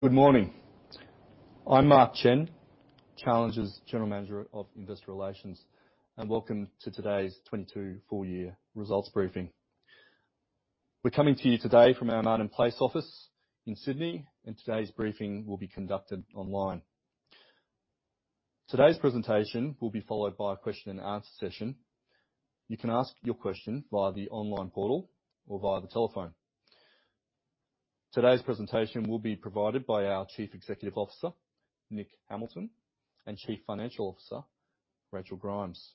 Good morning. I'm Mark Chen, Challenger's General Manager of Investor Relations, and welcome to today's 22 full year results briefing. We're coming to you today from our Martin Place office in Sydney, and today's briefing will be conducted online. Today's presentation will be followed by a question-and-answer session. You can ask your question via the online portal or via the telephone. Today's presentation will be provided by our Chief Executive Officer, Nick Hamilton, and Chief Financial Officer, Rachel Grimes.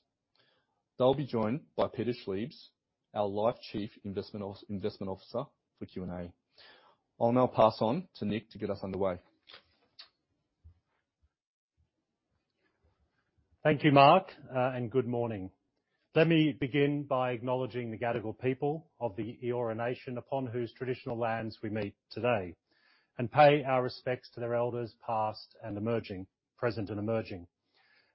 They'll be joined by Peter Schliebs, our Life Chief Investment Officer for Q&A. I'll now pass on to Nick to get us underway. Thank you, Mark, and good morning. Let me begin by acknowledging the Gadigal people of the Eora Nation, upon whose traditional lands we meet today, and pay our respects to their elders present and emerging.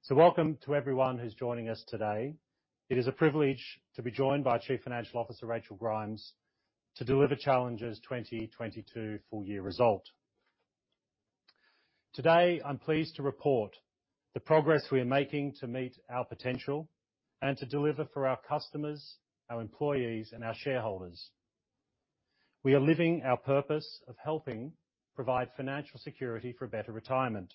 Welcome to everyone who's joining us today. It is a privilege to be joined by Chief Financial Officer Rachel Grimes to deliver Challenger's 2022 full year result. Today, I'm pleased to report the progress we are making to meet our potential and to deliver for our customers, our employees, and our shareholders. We are living our purpose of helping provide financial security for a better retirement.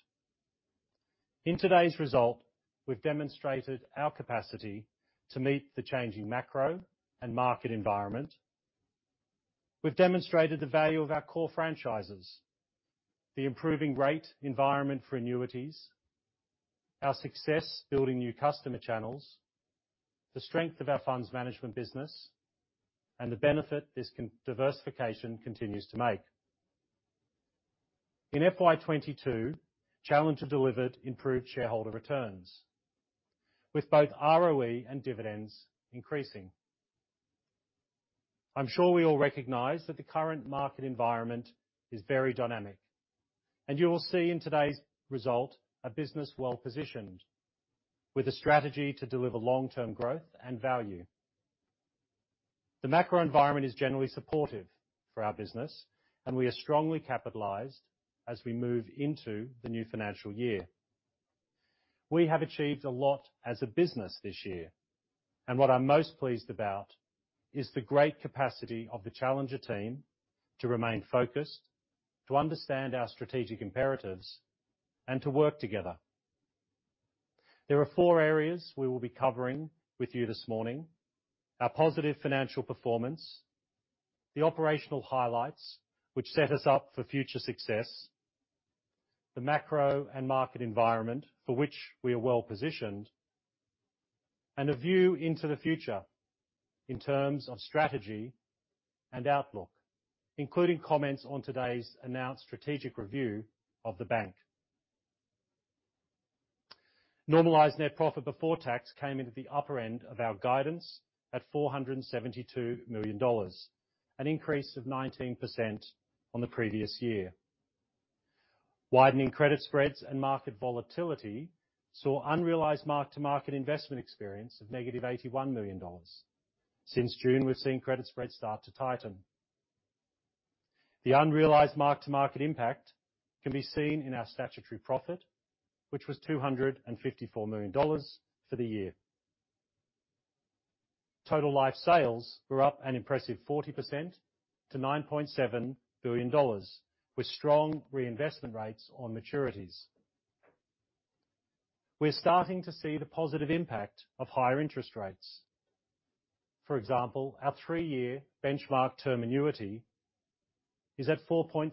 In today's result, we've demonstrated our capacity to meet the changing macro and market environment. We've demonstrated the value of our core franchises, the improving rate environment for annuities, our success building new customer channels, the strength of our Funds Management business, and the benefit this diversification continues to make. In FY 2022, Challenger delivered improved shareholder returns with both ROE and dividends increasing. I'm sure we all recognize that the current market environment is very dynamic, and you will see in today's result a business well-positioned with a strategy to deliver long-term growth and value. The macro environment is generally supportive for our business, and we are strongly capitalized as we move into the new financial year. We have achieved a lot as a business this year, and what I'm most pleased about is the great capacity of the Challenger team to remain focused, to understand our strategic imperatives, and to work together. There are four areas we will be covering with you this morning, our positive financial performance, the operational highlights which set us up for future success, the macro and market environment for which we are well-positioned, and a view into the future in terms of strategy and outlook, including comments on today's announced strategic review of the Bank. Normalized net profit before tax came into the upper end of our guidance at 472 million dollars, an increase of 19% on the previous year. Widening credit spreads and market volatility saw unrealized mark-to-market investment experience of -81 million dollars. Since June, we've seen credit spreads start to tighten. The unrealized mark-to-market impact can be seen in our statutory profit, which was 254 million dollars for the year. Total life sales were up an impressive 40% to 9.7 billion dollars with strong reinvestment rates on maturities. We're starting to see the positive impact of higher interest rates. For example, our three-year benchmark term annuity is at 4.3%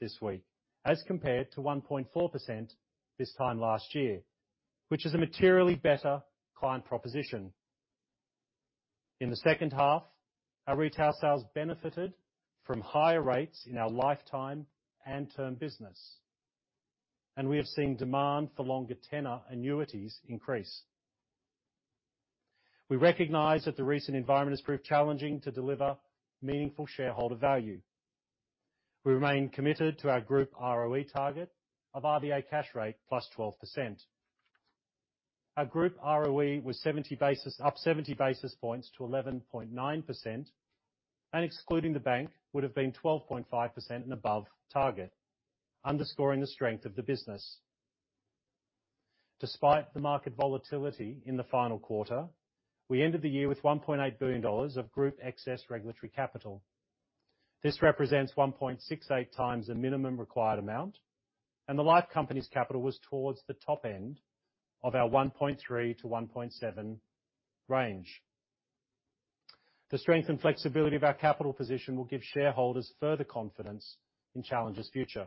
this week as compared to 1.4% this time last year, which is a materially better client proposition. In the second half, our retail sales benefited from higher rates in our lifetime and term business, and we have seen demand for longer tenor annuities increase. We recognize that the recent environment has proved challenging to deliver meaningful shareholder value. We remain committed to our Group ROE target of RBA cash rate plus 12%. Our Group ROE was up 70 basis points to 11.9%, and excluding the Bank would have been 12.5% and above target, underscoring the strength of the business. Despite the market volatility in the final quarter, we ended the year with 1.8 billion dollars of Group excess regulatory capital. This represents 1.68x the minimum required amount, and the life company's capital was towards the top end of our 1.3-1.7 range. The strength and flexibility of our capital position will give shareholders further confidence in Challenger's future.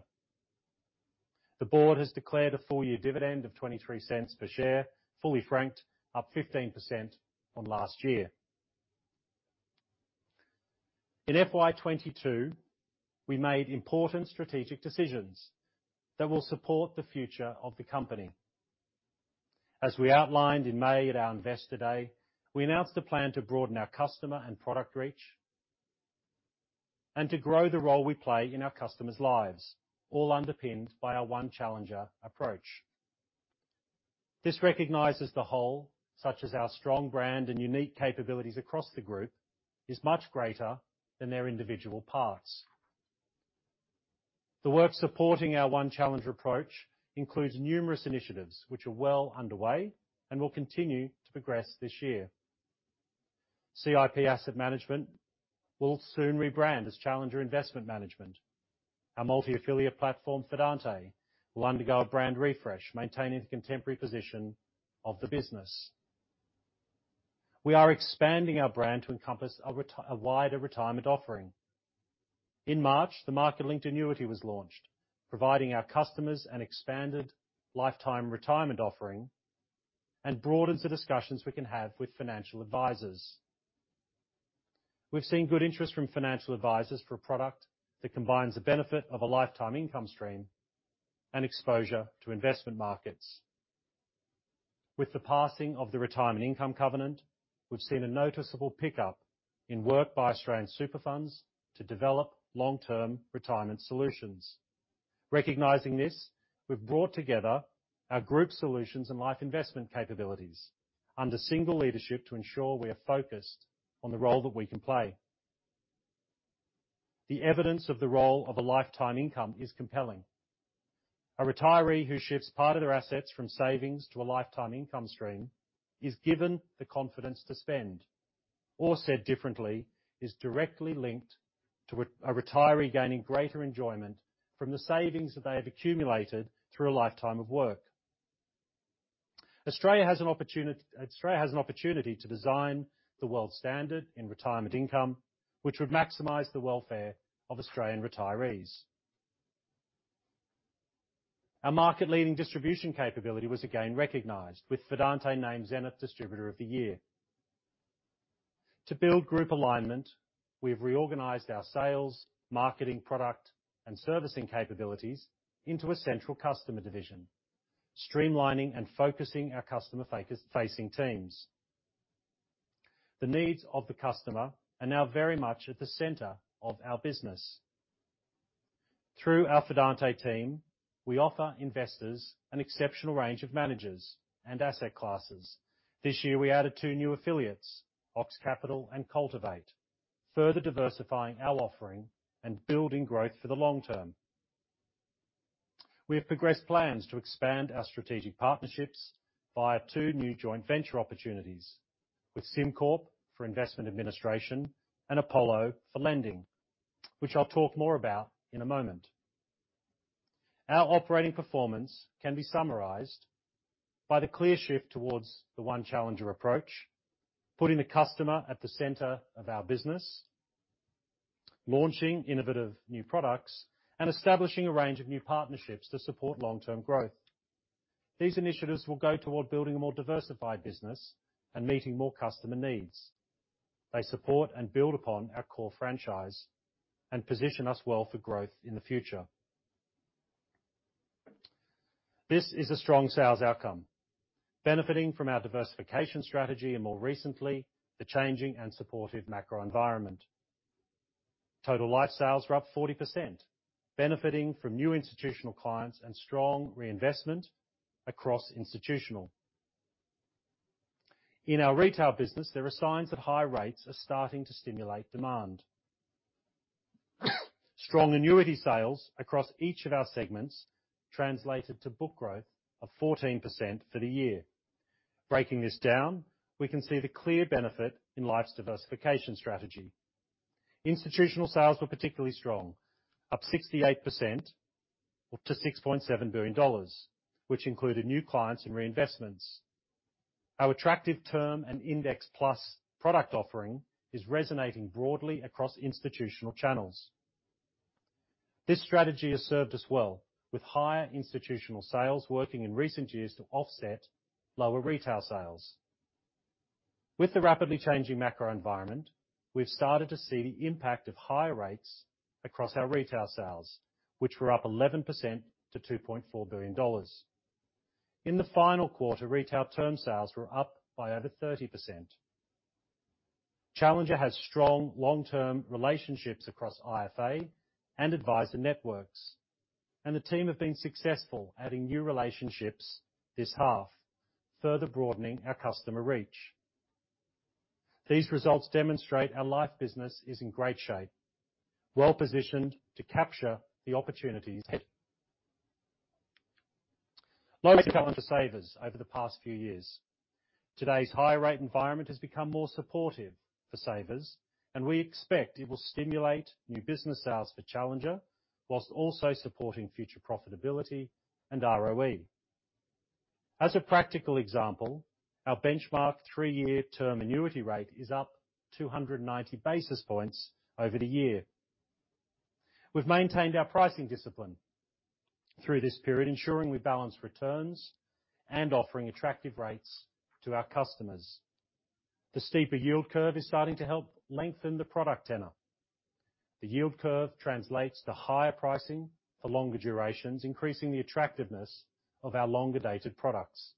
The board has declared a full year dividend of 0.23 per share, fully franked up 15% from last year. In FY 2022, we made important strategic decisions that will support the future of the company. As we outlined in May at our Investor Day, we announced a plan to broaden our customer and product reach and to grow the role we play in our customers' lives, all underpinned by our One Challenger approach. This recognizes the whole, such as our strong brand and unique capabilities across the Group, is much greater than their individual parts. The work supporting our One Challenger approach includes numerous initiatives which are well underway and will continue to progress this year. CIP Asset Management will soon rebrand as Challenger Investment Management. Our multi-affiliate platform, Fidante, will undergo a brand refresh, maintaining the contemporary position of the business. We are expanding our brand to encompass a wider retirement offering. In March, the market-linked annuity was launched, providing our customers an expanded lifetime retirement offering and broadens the discussions we can have with financial advisors. We've seen good interest from financial advisors for a product that combines the benefit of a lifetime income stream and exposure to investment markets. With the passing of the Retirement Income Covenant, we've seen a noticeable pickup in work by Australian super funds to develop long-term retirement solutions. Recognizing this, we've brought together our Group solutions and life investment capabilities under single leadership to ensure we are focused on the role that we can play. The evidence of the role of a lifetime income is compelling. A retiree who shifts part of their assets from savings to a lifetime income stream is given the confidence to spend, or said differently, is directly linked to a retiree gaining greater enjoyment from the savings that they have accumulated through a lifetime of work. Australia has an opportunity to design the world standard in retirement income, which would maximize the welfare of Australian retirees. Our market-leading distribution capability was again recognized with Fidante named Zenith Distributor of the Year. To build Group alignment, we have reorganized our sales, marketing, product, and servicing capabilities into a central customer division, streamlining and focusing our customer-facing teams. The needs of the customer are now very much at the center of our business. Through our Fidante team, we offer investors an exceptional range of managers and asset classes. This year, we added two new affiliates, Ox Capital and Cultivate, further diversifying our offering and building growth for the long term. We have progressed plans to expand our strategic partnerships via two new joint venture opportunities with SimCorp for investment administration and Apollo for lending, which I'll talk more about in a moment. Our operating performance can be summarized by the clear shift towards the One Challenger approach, putting the customer at the center of our business, launching innovative new products, and establishing a range of new partnerships to support long-term growth. These initiatives will go toward building a more diversified business and meeting more customer needs. They support and build upon our core franchise and position us well for growth in the future. This is a strong sales outcome, benefiting from our diversification strategy and more recently, the changing and supportive macro environment. Total life sales were up 40%, benefiting from new institutional clients and strong reinvestment across institutional. In our retail business, there are signs that higher rates are starting to stimulate demand. Strong annuity sales across each of our segments translated to book growth of 14% for the year. Breaking this down, we can see the clear benefit in Challenger Life's diversification strategy. Institutional sales were particularly strong, up 68% to 6.7 billion dollars, which included new clients and reinvestments. Our attractive term and Index Plus product offering is resonating broadly across institutional channels. This strategy has served us well, with higher institutional sales working in recent years to offset lower retail sales. With the rapidly changing macro environment, we've started to see the impact of higher rates across our retail sales, which were up 11% to 2.4 billion dollars. In the final quarter, retail term sales were up by over 30%. Challenger has strong long-term relationships across IFA and advisor networks, and the team have been successful adding new relationships this half, further broadening our customer reach. These results demonstrate our life business is in great shape, well-positioned to capture the opportunities presented by the environment for savers over the past few years. Today's high rate environment has become more supportive for savers, and we expect it will stimulate new business sales for Challenger while also supporting future profitability and ROE. As a practical example, our benchmark three-year term annuity rate is up 290 basis points over the year. We've maintained our pricing discipline through this period, ensuring we balance returns and offering attractive rates to our customers. The steeper yield curve is starting to help lengthen the product tenor. The yield curve translates to higher pricing for longer durations, increasing the attractiveness of our longer dated products.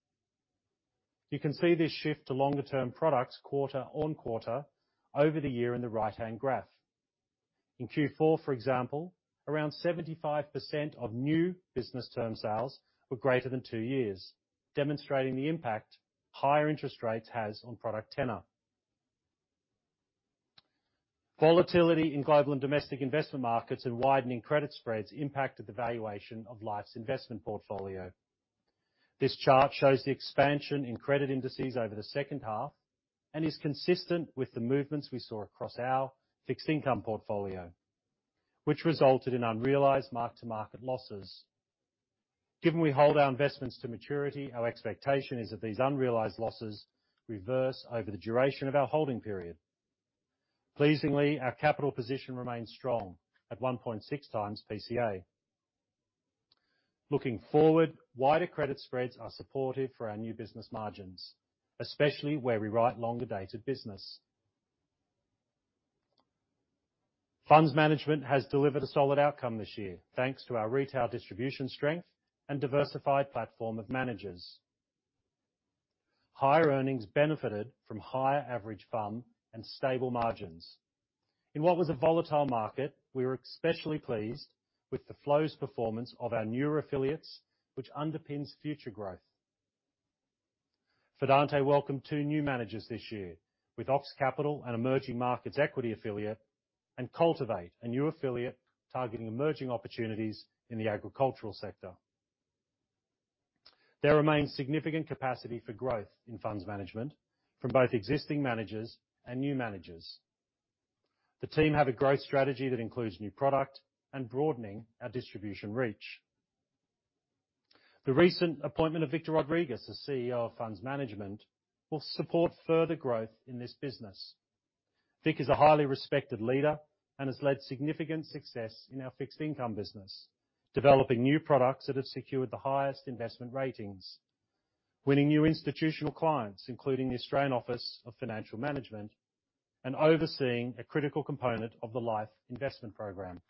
You can see this shift to longer term products quarter on quarter over the year in the right-hand graph. In Q4, for example, around 75% of new business term sales were greater than two years, demonstrating the impact higher interest rates has on product tenure. Volatility in global and domestic investment markets and widening credit spreads impacted the valuation of Life's investment portfolio. This chart shows the expansion in credit indices over the second half and is consistent with the movements we saw across our fixed income portfolio, which resulted in unrealized mark-to-market losses. Given we hold our investments to maturity, our expectation is that these unrealized losses reverse over the duration of our holding period. Pleasingly, our capital position remains strong at 1.6x PCA. Looking forward, wider credit spreads are supportive for our new business margins, especially where we write longer dated business. Funds Management has delivered a solid outcome this year, thanks to our retail distribution strength and diversified platform of managers. Higher earnings benefited from higher average FUM and stable margins. In what was a volatile market, we were especially pleased with the flows performance of our newer affiliates, which underpins future growth. Fidante welcomed two new managers this year with Ox Capital, an emerging markets equity affiliate, and Cultivate, a new affiliate targeting emerging opportunities in the agricultural sector. There remains significant capacity for growth in Funds Management from both existing managers and new managers. The team have a growth strategy that includes new product and broadening our distribution reach. The recent appointment of Victor Rodriguez as CEO of Funds Management will support further growth in this business. Vic is a highly respected leader and has led significant success in our fixed income business, developing new products that have secured the highest investment ratings, winning new institutional clients, including the Australian Office of Financial Management, and overseeing a critical component of the Life investment program.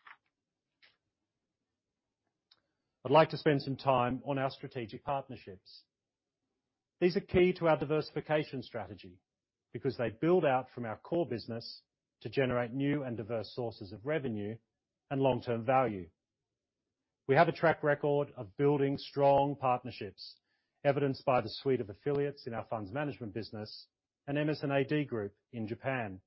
I'd like to spend some time on our strategic partnerships. These are key to our diversification strategy because they build out from our core business to generate new and diverse sources of revenue and long-term value. We have a track record of building strong partnerships, evidenced by the suite of affiliates in our Funds Management business and MS&AD Group in Japan.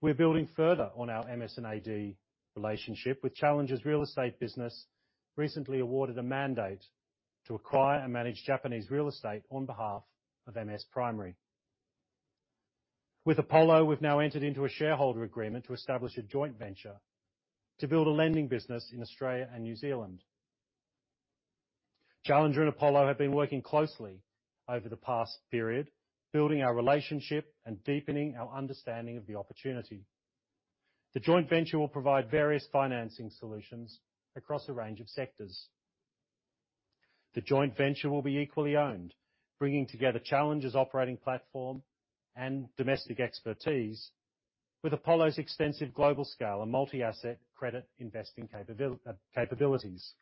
We're building further on our MS&AD relationship with Challenger's real estate business, recently awarded a mandate to acquire and manage Japanese real estate on behalf of Mitsui Sumitomo Primary Life Insurance. With Apollo, we've now entered into a shareholder agreement to establish a joint venture to build a lending business in Australia and New Zealand. Challenger and Apollo have been working closely over the past period, building our relationship and deepening our understanding of the opportunity. The joint venture will provide various financing solutions across a range of sectors. The joint venture will be equally owned, bringing together Challenger's operating platform and domestic expertise with Apollo's extensive global scale and multi-asset credit investing capabilities.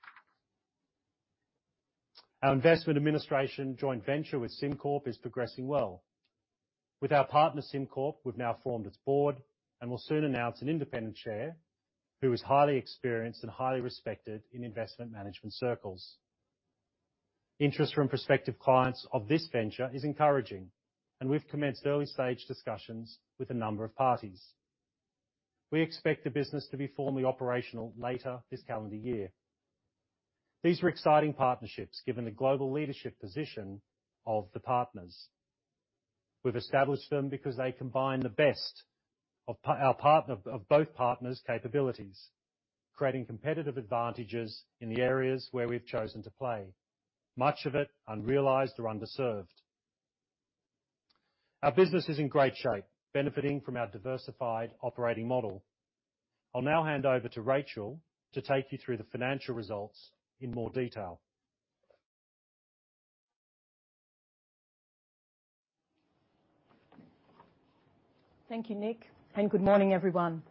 Our investment administration joint venture with SimCorp is progressing well. With our partner, SimCorp, we've now formed its board and will soon announce an independent chair who is highly experienced and highly respected in investment management circles. Interest from prospective clients of this venture is encouraging, and we've commenced early-stage discussions with a number of parties. We expect the business to be formally operational later this calendar year. These are exciting partnerships, given the global leadership position of the partners. We've established them because they combine the best of both partners' capabilities, creating competitive advantages in the areas where we've chosen to play, much of it unrealized or underserved. Our business is in great shape, benefiting from our diversified operating model. I'll now hand over to Rachel to take you through the financial results in more detail. Thank you, Nick, and good morning, everyone.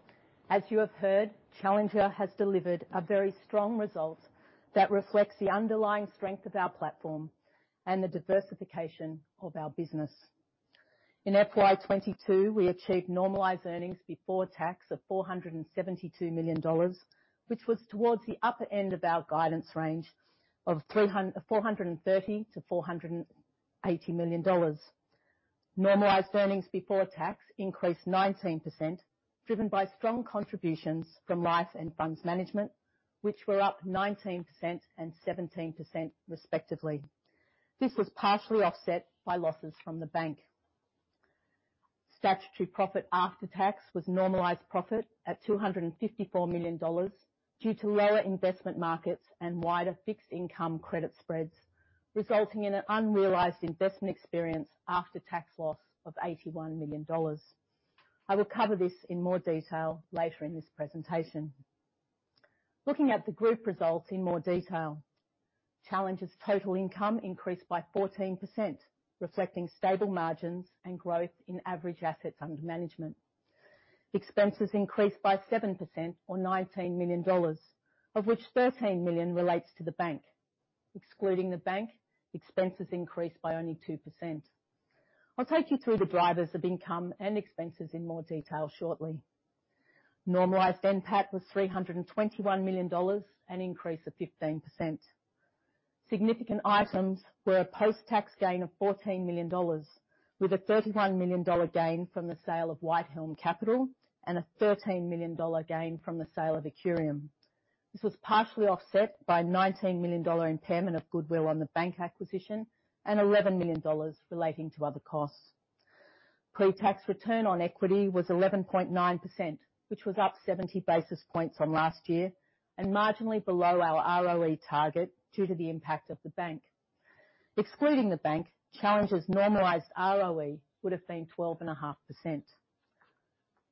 As you have heard, Challenger has delivered a very strong result that reflects the underlying strength of our platform and the diversification of our business. In FY 2022, we achieved normalized earnings before tax of AUD 472 million, which was towards the upper end of our guidance range of 430 million-480 million dollars. Normalized earnings before tax increased 19%, driven by strong contributions from Life and Funds Management, which were up 19% and 17% respectively. This was partially offset by losses from the Bank. Statutory profit after tax was normalized profit at 254 million dollars due to lower investment markets and wider fixed income credit spreads, resulting in an unrealized investment experience after tax loss of 81 million dollars. I will cover this in more detail later in this presentation. Looking at the Group results in more detail. Challenger's total income increased by 14%, reflecting stable margins and growth in average assets under management. Expenses increased by 7% or 19 million dollars, of which 13 million relates to the Bank. Excluding the Bank, expenses increased by only 2%. I'll take you through the drivers of income and expenses in more detail shortly. Normalized NPAT was 321 million dollars, an increase of 15%. Significant items were a post-tax gain of 14 million dollars with a 31 million dollar gain from the sale of Whitehelm Capital and a 13 million dollar gain from the sale of Accurium. This was partially offset by 19 million dollar impairment of goodwill on the bank acquisition and 11 million dollars relating to other costs. Pre-tax return on equity was 11.9%, which was up 70 basis points from last year and marginally below our ROE target due to the impact of the Bank. Excluding the Bank, Challenger's normalized ROE would have been 12.5%.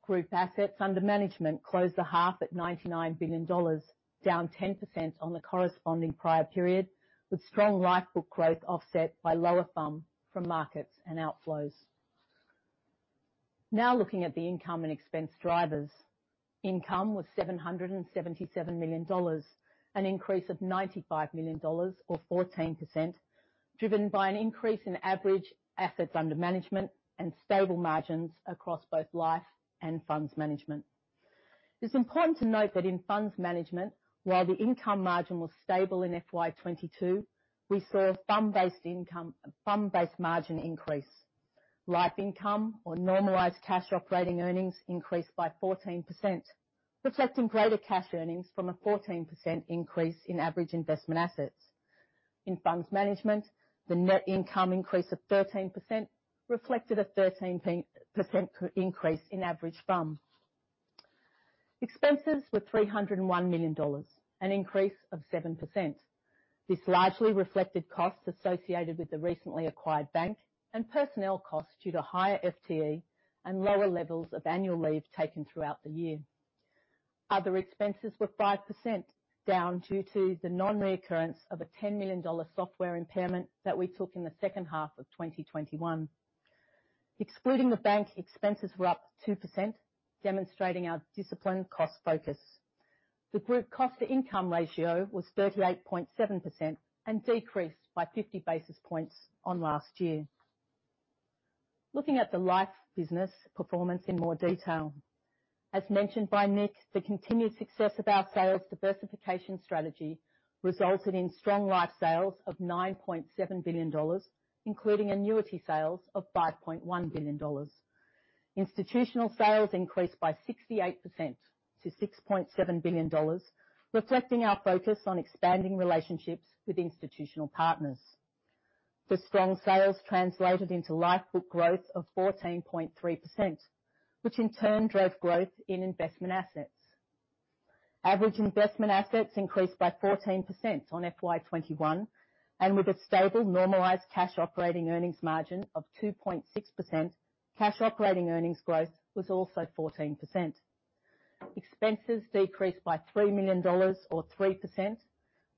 Group assets under management closed the half at 99 billion dollars, down 10% on the corresponding prior period, with strong life book growth offset by lower FUM from markets and outflows. Now looking at the income and expense drivers. Income was 777 million dollars, an increase of 95 million dollars or 14%, driven by an increase in average assets under management and stable margins across both Life and Funds Management. It's important to note that in Funds Management, while the income margin was stable in FY 2022, we saw FUM-based margin increase. Life income or normalized cash operating earnings increased by 14%, reflecting greater cash earnings from a 14% increase in average investment assets. In Funds Management, the net income increase of 13% reflected a 13% increase in average FUM. Expenses were 301 million dollars, an increase of 7%. This largely reflected costs associated with the recently acquired bank and personnel costs due to higher FTE and lower levels of annual leave taken throughout the year. Other expenses were 5% down due to the non-reoccurrence of a 10 million dollar software impairment that we took in the second half of 2021. Excluding the Bank, expenses were up 2%, demonstrating our disciplined cost focus. The Group cost-to-income ratio was 38.7% and decreased by 50 basis points on last year. Looking at the Life business performance in more detail. As mentioned by Nick, the continued success of our sales diversification strategy resulted in strong Life sales of 9.7 billion dollars, including annuity sales of 5.1 billion dollars. Institutional sales increased by 68% to 6.7 billion dollars, reflecting our focus on expanding relationships with institutional partners. The strong sales translated into Life book growth of 14.3%, which in turn drove growth in investment assets. Average investment assets increased by 14% on FY 2021, and with a stable normalized cash operating earnings margin of 2.6%, cash operating earnings growth was also 14%. Expenses decreased by 3 million dollars or 3%,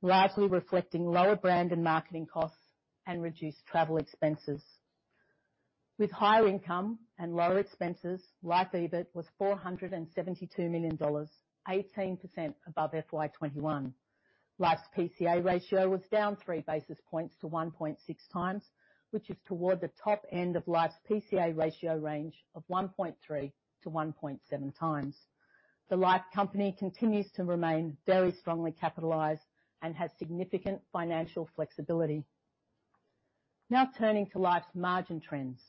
largely reflecting lower brand and marketing costs and reduced travel expenses. With higher income and lower expenses, Life EBIT was 472 million dollars, 18% above FY 2021. Life's PCA ratio was down 3 basis points to 1.6x, which is toward the top end of Life's PCA ratio range of 1.3x-1.7x. The Life company continues to remain very strongly capitalized and has significant financial flexibility. Now turning to Life's margin trends.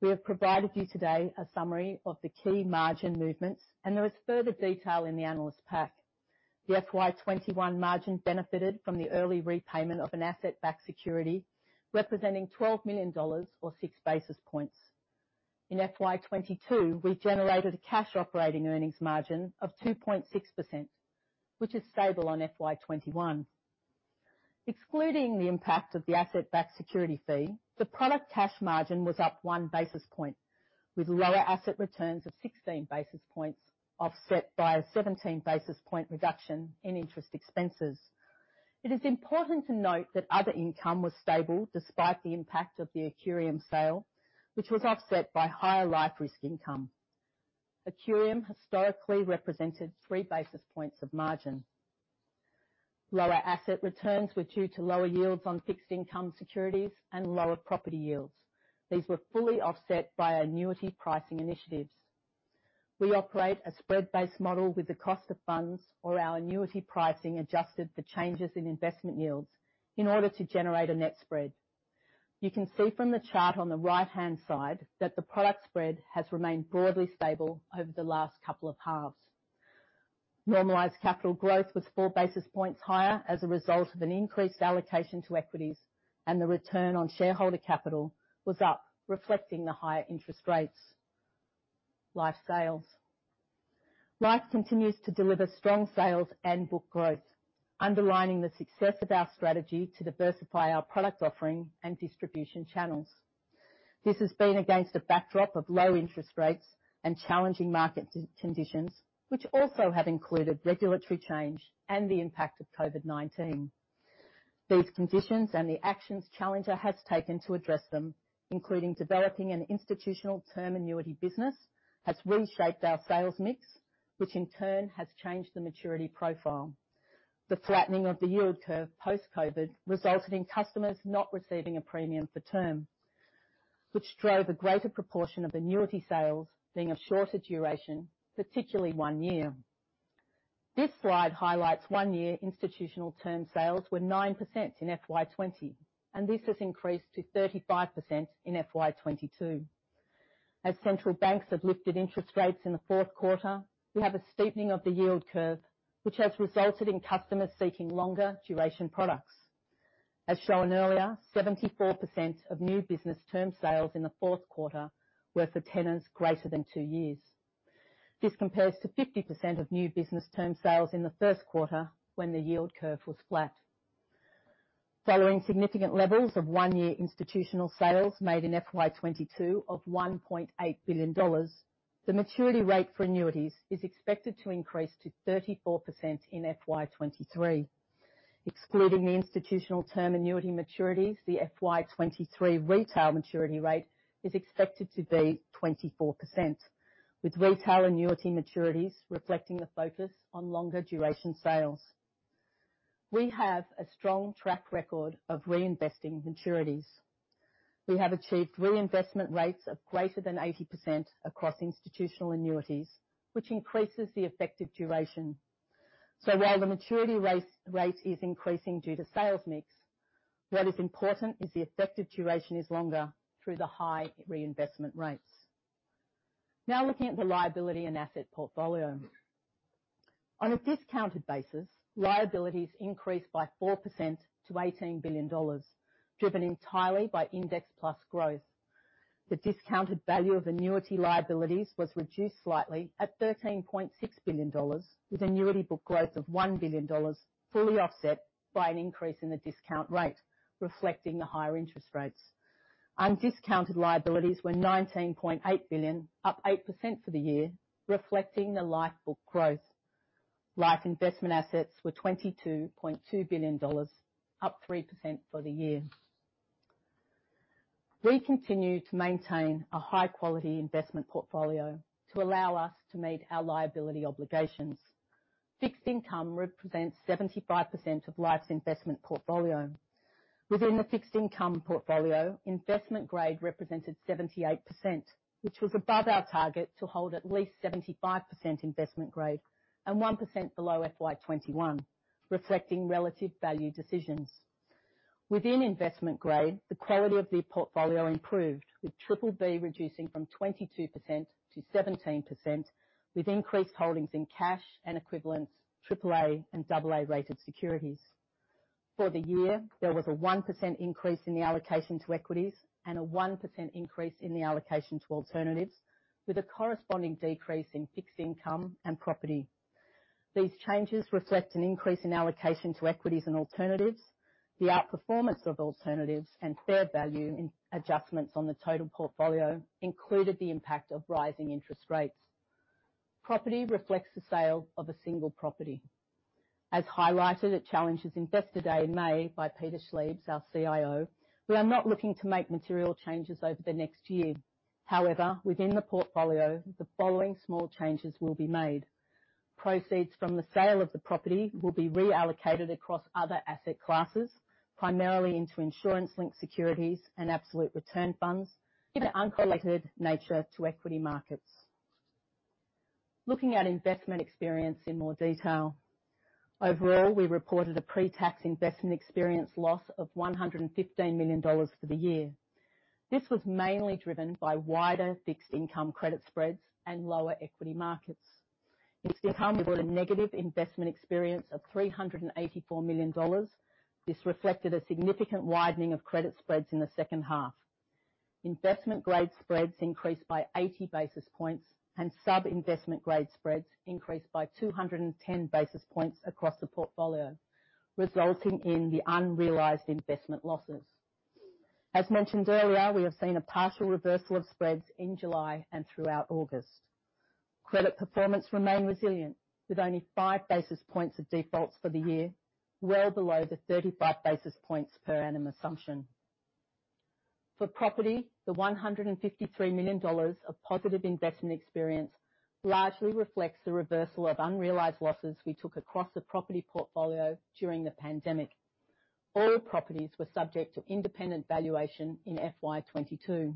We have provided you today a summary of the key margin movements, and there is further detail in the analyst pack. The FY 2021 margin benefited from the early repayment of an asset-backed security, representing 12 million dollars or 6 basis points. In FY 2022, we generated a cash operating earnings margin of 2.6%, which is stable on FY 2021. Excluding the impact of the asset-backed security fee, the product cash margin was up 1 basis point, with lower asset returns of 16 basis points offset by a 17 basis point reduction in interest expenses. It is important to note that other income was stable despite the impact of the Accurium sale, which was offset by higher Life risk income. Accurium historically represented 3 basis points of margin. Lower asset returns were due to lower yields on fixed income securities and lower property yields. These were fully offset by annuity pricing initiatives. We operate a spread-based model with the cost of funds or our annuity pricing adjusted for changes in investment yields in order to generate a net spread. You can see from the chart on the right-hand side that the product spread has remained broadly stable over the last couple of halves. Normalized capital growth was four basis points higher as a result of an increased allocation to equities, and the return on shareholder capital was up, reflecting the higher interest rates. Life sales. Life continues to deliver strong sales and book growth, underlining the success of our strategy to diversify our product offering and distribution channels. This has been against a backdrop of low interest rates and challenging market conditions, which also have included regulatory change and the impact of COVID-19. These conditions and the actions Challenger has taken to address them, including developing an institutional term annuity business, has reshaped our sales mix. Which in turn has changed the maturity profile. The flattening of the yield curve post-COVID resulted in customers not receiving a premium for term, which drove a greater proportion of annuity sales being of shorter duration, particularly one year. This slide highlights one-year institutional term sales were 9% in FY 2020, and this has increased to 35% in FY 2022. Central banks have lifted interest rates in the fourth quarter, we have a steepening of the yield curve, which has resulted in customers seeking longer duration products. As shown earlier, 74% of new business term sales in the fourth quarter were for tenors greater than two years. This compares to 50% of new business term sales in the first quarter when the yield curve was flat. Following significant levels of one-year institutional sales made in FY 2022 of AUD 1.8 billion, the maturity rate for annuities is expected to increase to 34% in FY 2023. Excluding the institutional term annuity maturities, the FY 2023 retail maturity rate is expected to be 24%, with retail annuity maturities reflecting the focus on longer duration sales. We have a strong track record of reinvesting maturities. We have achieved reinvestment rates of greater than 80% across institutional annuities, which increases the effective duration. While the maturity rate is increasing due to sales mix, what is important is the effective duration is longer through the high reinvestment rates. Now looking at the liability and asset portfolio. On a discounted basis, liabilities increased by 4% to 18 billion dollars, driven entirely by Index Plus growth. The discounted value of annuity liabilities was reduced slightly at 13.6 billion dollars, with annuity book growth of 1 billion dollars, fully offset by an increase in the discount rate reflecting the higher interest rates. Undiscounted liabilities were 19.8 billion, up 8% for the year, reflecting the life book growth. Life investment assets were AUD 22.2 billion, up 3% for the year. We continue to maintain a high-quality investment portfolio to allow us to meet our liability obligations. Fixed income represents 75% of Life's investment portfolio. Within the fixed income portfolio, investment grade represented 78%, which was above our target to hold at least 75% investment grade and 1% below FY 2021, reflecting relative value decisions. Within investment grade, the quality of the portfolio improved, with BBB reducing from 22% to 17%, with increased holdings in cash and equivalents, AAA and AA-rated securities. For the year, there was a 1% increase in the allocation to equities and a 1% increase in the allocation to alternatives, with a corresponding decrease in fixed income and property. These changes reflect an increase in allocation to equities and alternatives, the outperformance of alternatives, and fair value adjustments on the total portfolio included the impact of rising interest rates. Property reflects the sale of a single property. As highlighted at Challenger's Investor Day in May by Peter Schliebs, our CIO, we are not looking to make material changes over the next year. However, within the portfolio, the following small changes will be made. Proceeds from the sale of the property will be reallocated across other asset classes, primarily into insurance-linked securities and absolute return funds in an uncorrelated nature to equity markets. Looking at investment experience in more detail. Overall, we reported a pre-tax investment experience loss of 115 million dollars for the year. This was mainly driven by wider fixed income credit spreads and lower equity markets. Fixed income recorded a negative investment experience of 384 million dollars. This reflected a significant widening of credit spreads in the second half. Investment-grade spreads increased by 80 basis points, and sub-investment-grade spreads increased by 210 basis points across the portfolio, resulting in the unrealized investment losses. As mentioned earlier, we have seen a partial reversal of spreads in July and throughout August. Credit performance remained resilient, with only 5 basis points of defaults for the year, well below the 35 basis points per annum assumption. For property, the 153 million dollars of positive investment experience largely reflects the reversal of unrealized losses we took across the property portfolio during the pandemic. All properties were subject to independent valuation in FY 2022.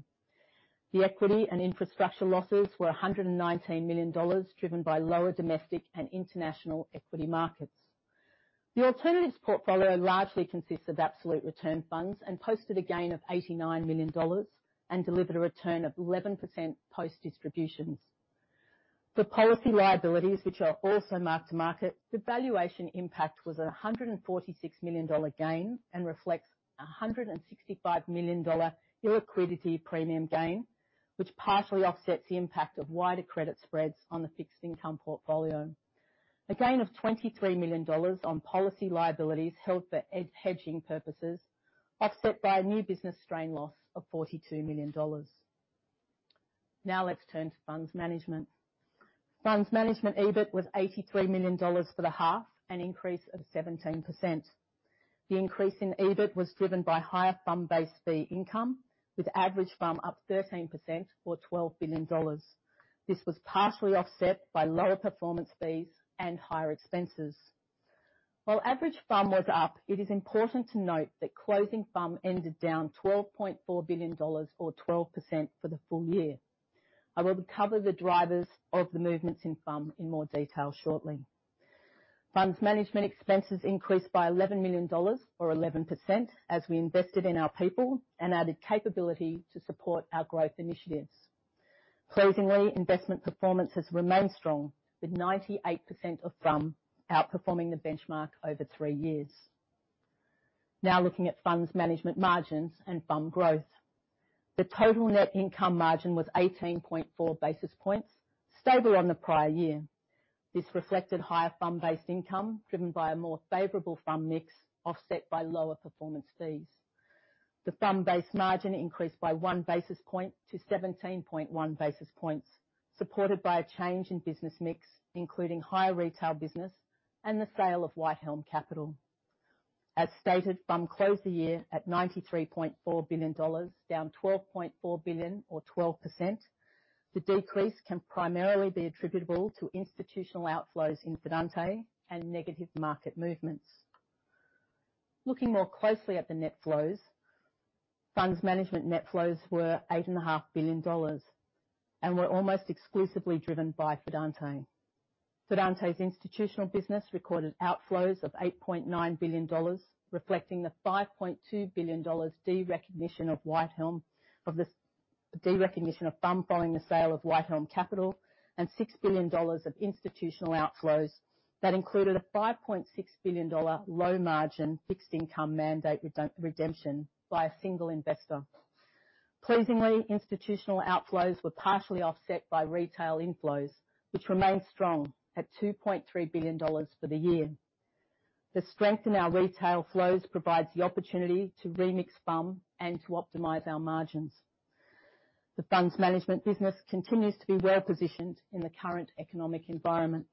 The equity and infrastructure losses were 119 million dollars, driven by lower domestic and international equity markets. The alternatives portfolio largely consists of absolute return funds and posted a gain of 89 million dollars and delivered a return of 11% post distributions. For policy liabilities, which are also mark-to-market, the valuation impact was an 146 million dollar gain and reflects an 165 million dollar illiquidity premium gain, which partially offsets the impact of wider credit spreads on the fixed income portfolio. A gain of 23 million dollars on policy liabilities held for hedging purposes, offset by a new business strain loss of 42 million dollars. Now let's turn to Funds Management. Funds Management EBIT was AUD 83 million for the half, an increase of 17%. The increase in EBIT was driven by higher FUM-based fee income with average FUM up 13% or 12 billion dollars. This was partially offset by lower performance fees and higher expenses. While average FUM was up, it is important to note that closing FUM ended down AUD 12.4 billion or 12% for the full year. I will cover the drivers of the movements in FUM in more detail shortly. Funds Management expenses increased by 11 million dollars or 11% as we invested in our people and added capability to support our growth initiatives. Pleasingly, investment performance has remained strong, with 98% of FUM outperforming the benchmark over three years. Now looking at Funds Management margins and FUM growth. The total net income margin was 18.4 basis points, stable on the prior year. This reflected higher FUM-based income driven by a more favorable FUM mix, offset by lower performance fees. The FUM-based margin increased by 1 basis point to 17.1 basis points, supported by a change in business mix, including higher retail business and the sale of Whitehelm Capital. As stated, FUM closed the year at AUD 93.4 billion, down AUD 12.4 billion or 12%. The decrease can primarily be attributable to institutional outflows in Fidante and negative market movements. Looking more closely at the net flows, Funds Management net flows were 8.5 billion dollars and were almost exclusively driven by Fidante. Fidante's institutional business recorded outflows of 8.9 billion dollars, reflecting the 5.2 billion dollars derecognition of FUM following the sale of Whitehelm Capital and 6 billion dollars of institutional outflows that included a 5.6 billion dollar low margin fixed income mandate redemption by a single investor. Institutional outflows were partially offset by retail inflows, which remained strong at AUD 2.3 billion for the year. The strength in our retail flows provides the opportunity to remix FUM and to optimize our margins. The Funds Management business continues to be well positioned in the current economic environment.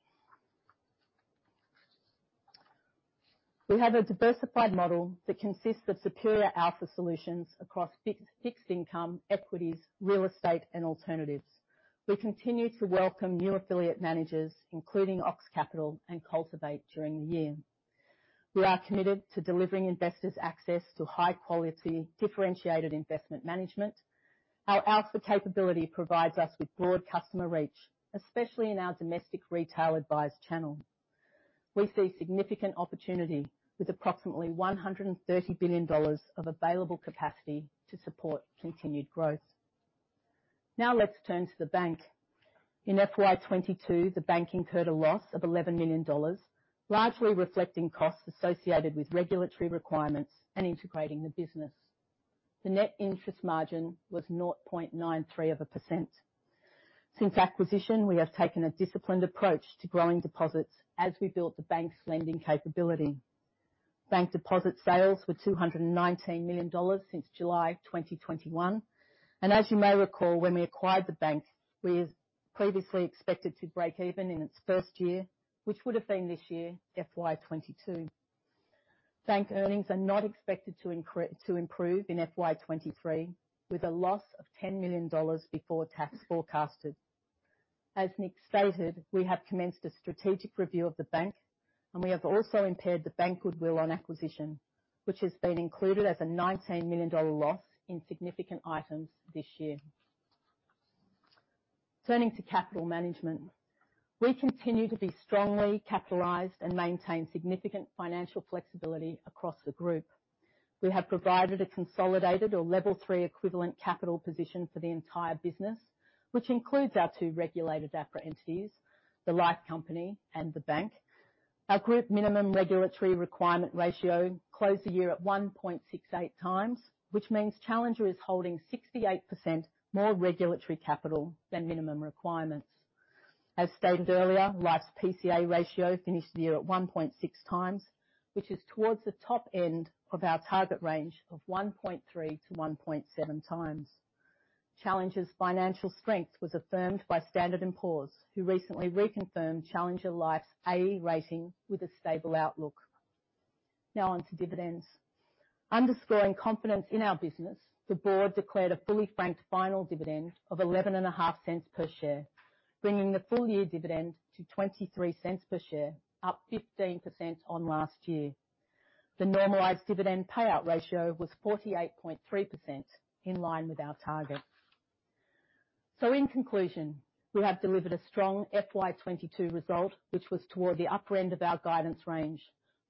We have a diversified model that consists of superior alpha solutions across fixed income, equities, real estate and alternatives. We continue to welcome new affiliate managers, including Ox Capital and Cultivate during the year. We are committed to delivering investors access to high-quality, differentiated investment management. Our alpha capability provides us with broad customer reach, especially in our domestic retail advised channel. We see significant opportunity with approximately 130 billion dollars of available capacity to support continued growth. Now let's turn to the Bank. In FY 2022, the Bank incurred a loss of AUD 11 million, largely reflecting costs associated with regulatory requirements and integrating the business. The net interest margin was 0.93%. Since acquisition, we have taken a disciplined approach to growing deposits as we built the bank's lending capability. Bank deposit sales were 219 million dollars since July 2021. As you may recall, when we acquired the bank, we previously expected to break even in its first year, which would have been this year, FY 2022. Bank earnings are not expected to improve in FY 2023, with a loss of 10 million dollars before tax forecasted. As Nick stated, we have commenced a strategic review of the bank, and we have also impaired the bank goodwill on acquisition, which has been included as a AUD 19 million loss in significant items this year. Turning to capital management, we continue to be strongly capitalized and maintain significant financial flexibility across the Group. We have provided a consolidated or level three equivalent capital position for the entire business, which includes our two regulated APRA entities, the Life company and the Bank. Our Group minimum regulatory requirement ratio closed the year at 1.68x, which means Challenger is holding 68% more regulatory capital than minimum requirements. As stated earlier, Life's PCA ratio finished the year at 1.6x, which is toward the top end of our target range of 1.3x-1.7x. Challenger's financial strength was affirmed by Standard & Poor's, who recently reconfirmed Challenger Life's A rating with a stable outlook. Now on to dividends. Underscoring confidence in our business, the board declared a fully franked final dividend of 0.115 per share, bringing the full year dividend to 0.23 per share, up 15% on last year. The normalized dividend payout ratio was 48.3% in line with our target. In conclusion, we have delivered a strong FY 2022 result, which was toward the upper end of our guidance range.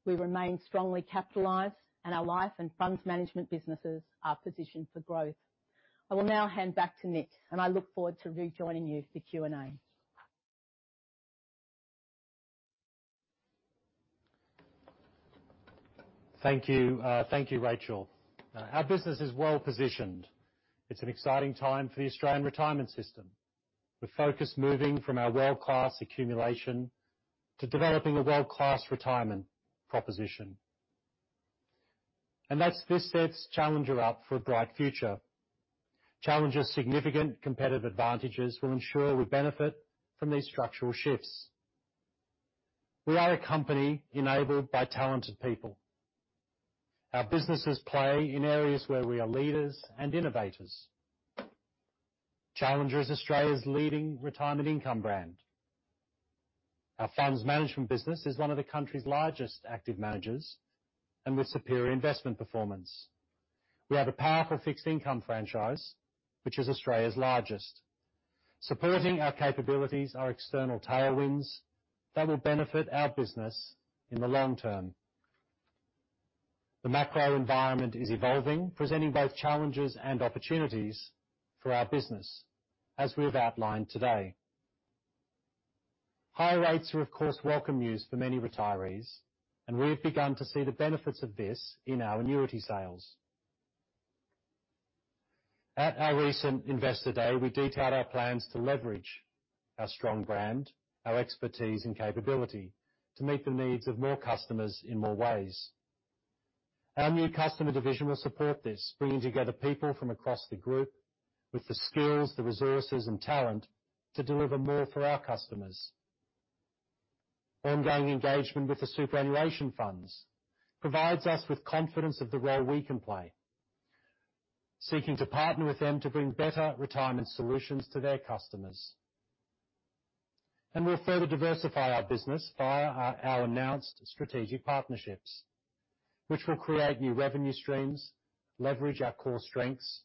We remain strongly capitalized, and our Life and Funds Management businesses are positioned for growth. I will now hand back to Nick and I look forward to rejoining you for Q&A. Thank you. Thank you, Rachel. Our business is well positioned. It's an exciting time for the Australian retirement system. The focus moving from our world-class accumulation to developing a world-class retirement proposition. This sets Challenger up for a bright future. Challenger's significant competitive advantages will ensure we benefit from these structural shifts. We are a company enabled by talented people. Our businesses play in areas where we are leaders and innovators. Challenger is Australia's leading retirement income brand. Our Funds Management business is one of the country's largest active managers and with superior investment performance. We have a powerful fixed income franchise, which is Australia's largest. Supporting our capabilities are external tailwinds that will benefit our business in the long term. The macro environment is evolving, presenting both challenges and opportunities for our business, as we have outlined today. High rates are, of course, welcome news for many retirees, and we have begun to see the benefits of this in our annuity sales. At our recent Investor Day, we detailed our plans to leverage our strong brand, our expertise, and capability to meet the needs of more customers in more ways. Our new customer division will support this, bringing together people from across the Group with the skills, the resources, and talent to deliver more for our customers. Ongoing engagement with the superannuation funds provides us with confidence of the role we can play, seeking to partner with them to bring better retirement solutions to their customers. We'll further diversify our business via our announced strategic partnerships, which will create new revenue streams, leverage our core strengths,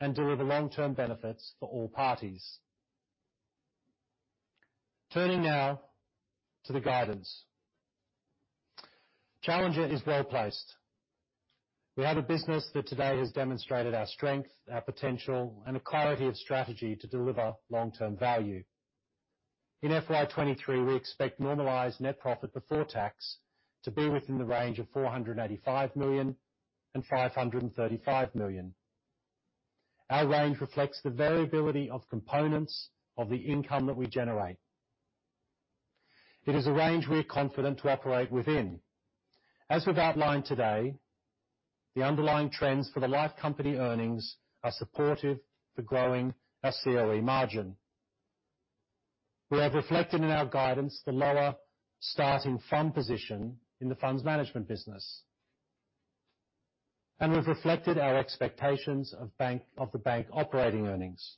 and deliver long-term benefits for all parties. Turning now to the guidance. Challenger is well-placed. We have a business that today has demonstrated our strength, our potential, and a clarity of strategy to deliver long-term value. In FY 2023, we expect normalized net profit before tax to be within the range of 485 million-535 million. Our range reflects the variability of components of the income that we generate. It is a range we are confident to operate within. As we've outlined today, the underlying trends for the life company earnings are supportive for growing our COE margin. We have reflected in our guidance the lower starting fund position in the Funds Management business, and we've reflected our expectations of the Bank operating earnings.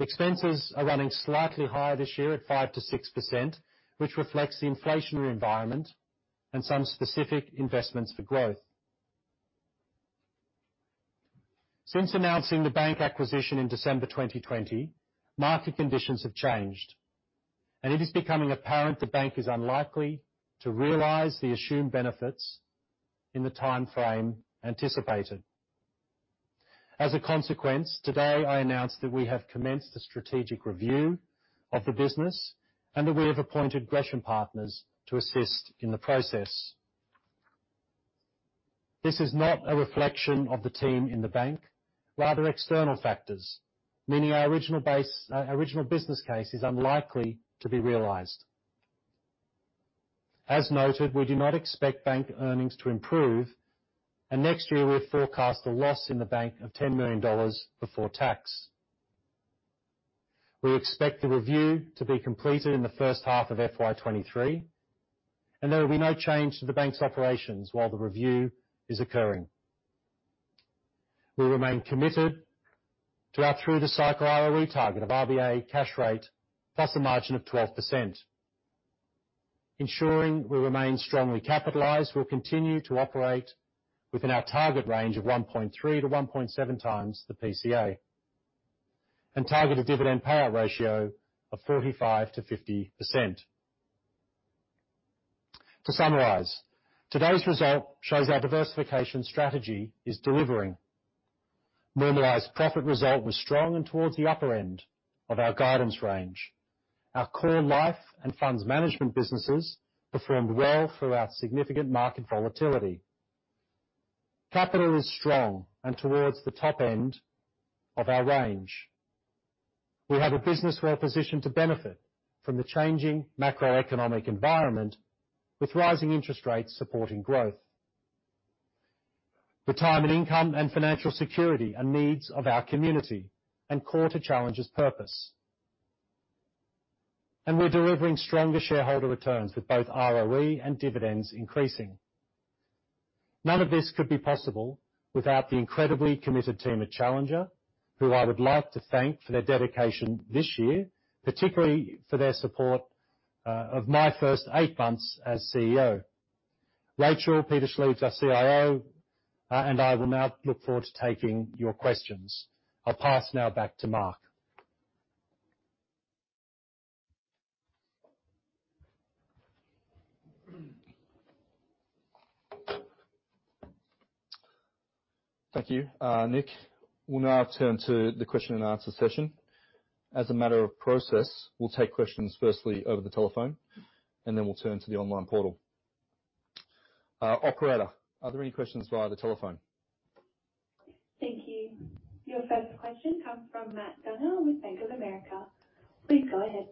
Expenses are running slightly higher this year at 5%-6%, which reflects the inflationary environment and some specific investments for growth. Since announcing the bank acquisition in December 2020, market conditions have changed, and it is becoming apparent the Bank is unlikely to realize the assumed benefits in the timeframe anticipated. As a consequence, today, I announce that we have commenced a strategic review of the business, and that we have appointed Gresham Partners to assist in the process. This is not a reflection of the team in the Bank, rather external factors, meaning our original business case is unlikely to be realized. As noted, we do not expect Bank earnings to improve, and next year we forecast a loss in the Bank of 10 million dollars before tax. We expect the review to be completed in the first half of FY 2023, and there will be no change to the Bank's operations while the review is occurring. We remain committed to our through-the-cycle ROE target of RBA cash rate, plus a margin of 12%. Ensuring we remain strongly capitalized, we'll continue to operate within our target range of 1.3x-1.7x the PCA, and target a dividend payout ratio of 45%-50%. To summarize, today's result shows our diversification strategy is delivering. Normalized profit result was strong and towards the upper end of our guidance range. Our core life and Funds Management businesses performed well throughout significant market volatility. Capital is strong and towards the top end of our range. We have a business well-positioned to benefit from the changing macroeconomic environment, with rising interest rates supporting growth. Retirement income and financial security are needs of our community and core to Challenger's purpose. We're delivering stronger shareholder returns, with both ROE and dividends increasing. None of this could be possible without the incredibly committed team at Challenger, who I would like to thank for their dedication this year, particularly for their support of my first eight months as CEO. Rachel, Peter Schliebs, our CIO, and I will now look forward to taking your questions. I'll pass now back to Mark. Thank you, Nick. We'll now turn to the question-and-answer session. As a matter of process, we'll take questions firstly over the telephone, and then we'll turn to the online portal. Operator, are there any questions via the telephone? Thank you. Your first question comes from Matt Burnell with Bank of America. Please go ahead.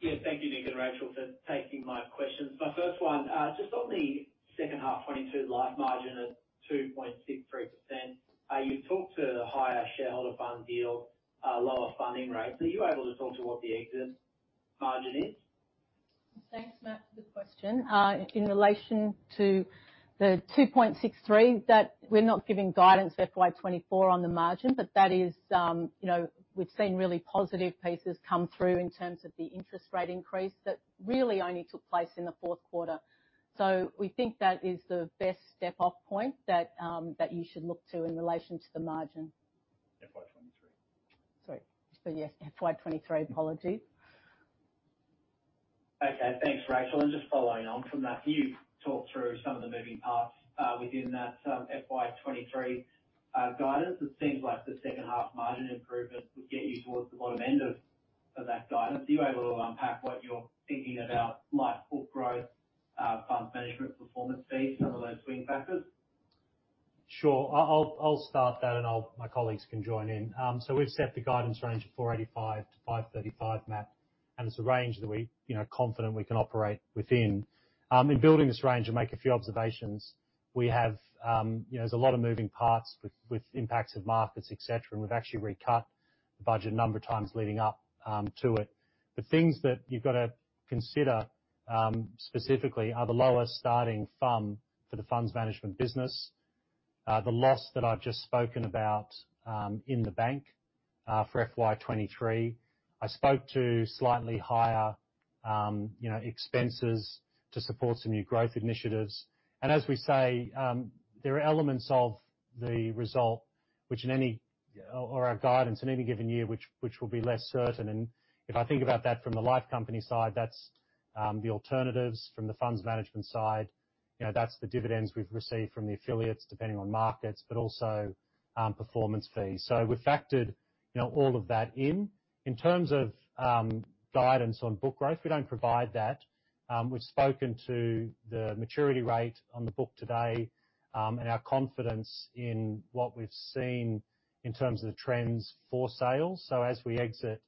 Yeah, thank you, Nick and Rachel, for taking my questions. My first one, just on the second half 2022 life margin of 2.63%. You've talked to higher shareholder fund yield, lower funding rates. Are you able to talk to what the exit margin is? Thanks, Matt, for the question. In relation to the 2.63%, that we're not giving guidance for FY 2024 on the margin, but that is, you know, we've seen really positive pieces come through in terms of the interest rate increase that really only took place in the fourth quarter. We think that is the best step-off point that you should look to in relation to the margin. FY 2023. Sorry. Yes, FY 23. Apologies. Okay. Thanks, Rachel. Just following on from that, can you talk through some of the moving parts within that FY 2023 guidance? It seems like the second half margin improvement would get you towards the bottom end of that guidance. Are you able to unpack what you're thinking about life book growth, Funds Management performance fee, some of those swing factors? Sure. I'll start that, and my colleagues can join in. We've set the guidance range of 485-535, Matt, and it's a range that we, you know, confident we can operate within. In building this range, I'll make a few observations. We have, you know, there's a lot of moving parts with impacts of markets, et cetera, and we've actually recut the budget a number of times leading up to it. The things that you've got to consider, specifically are the lower starting FUM for the Funds Management business, the loss that I've just spoken about in the Bank for FY 2023. I spoke to slightly higher, you know, expenses to support some new growth initiatives. As we say, there are elements of the result or our guidance in any given year which will be less certain. If I think about that from the life company side, that's the alternatives from the Funds Management side. You know, that's the dividends we've received from the affiliates, depending on markets, but also performance fees. We've factored, you know, all of that in. In terms of guidance on book growth, we don't provide that. We've spoken to the maturity rate on the book today and our confidence in what we've seen in terms of the trends for sales. As we exit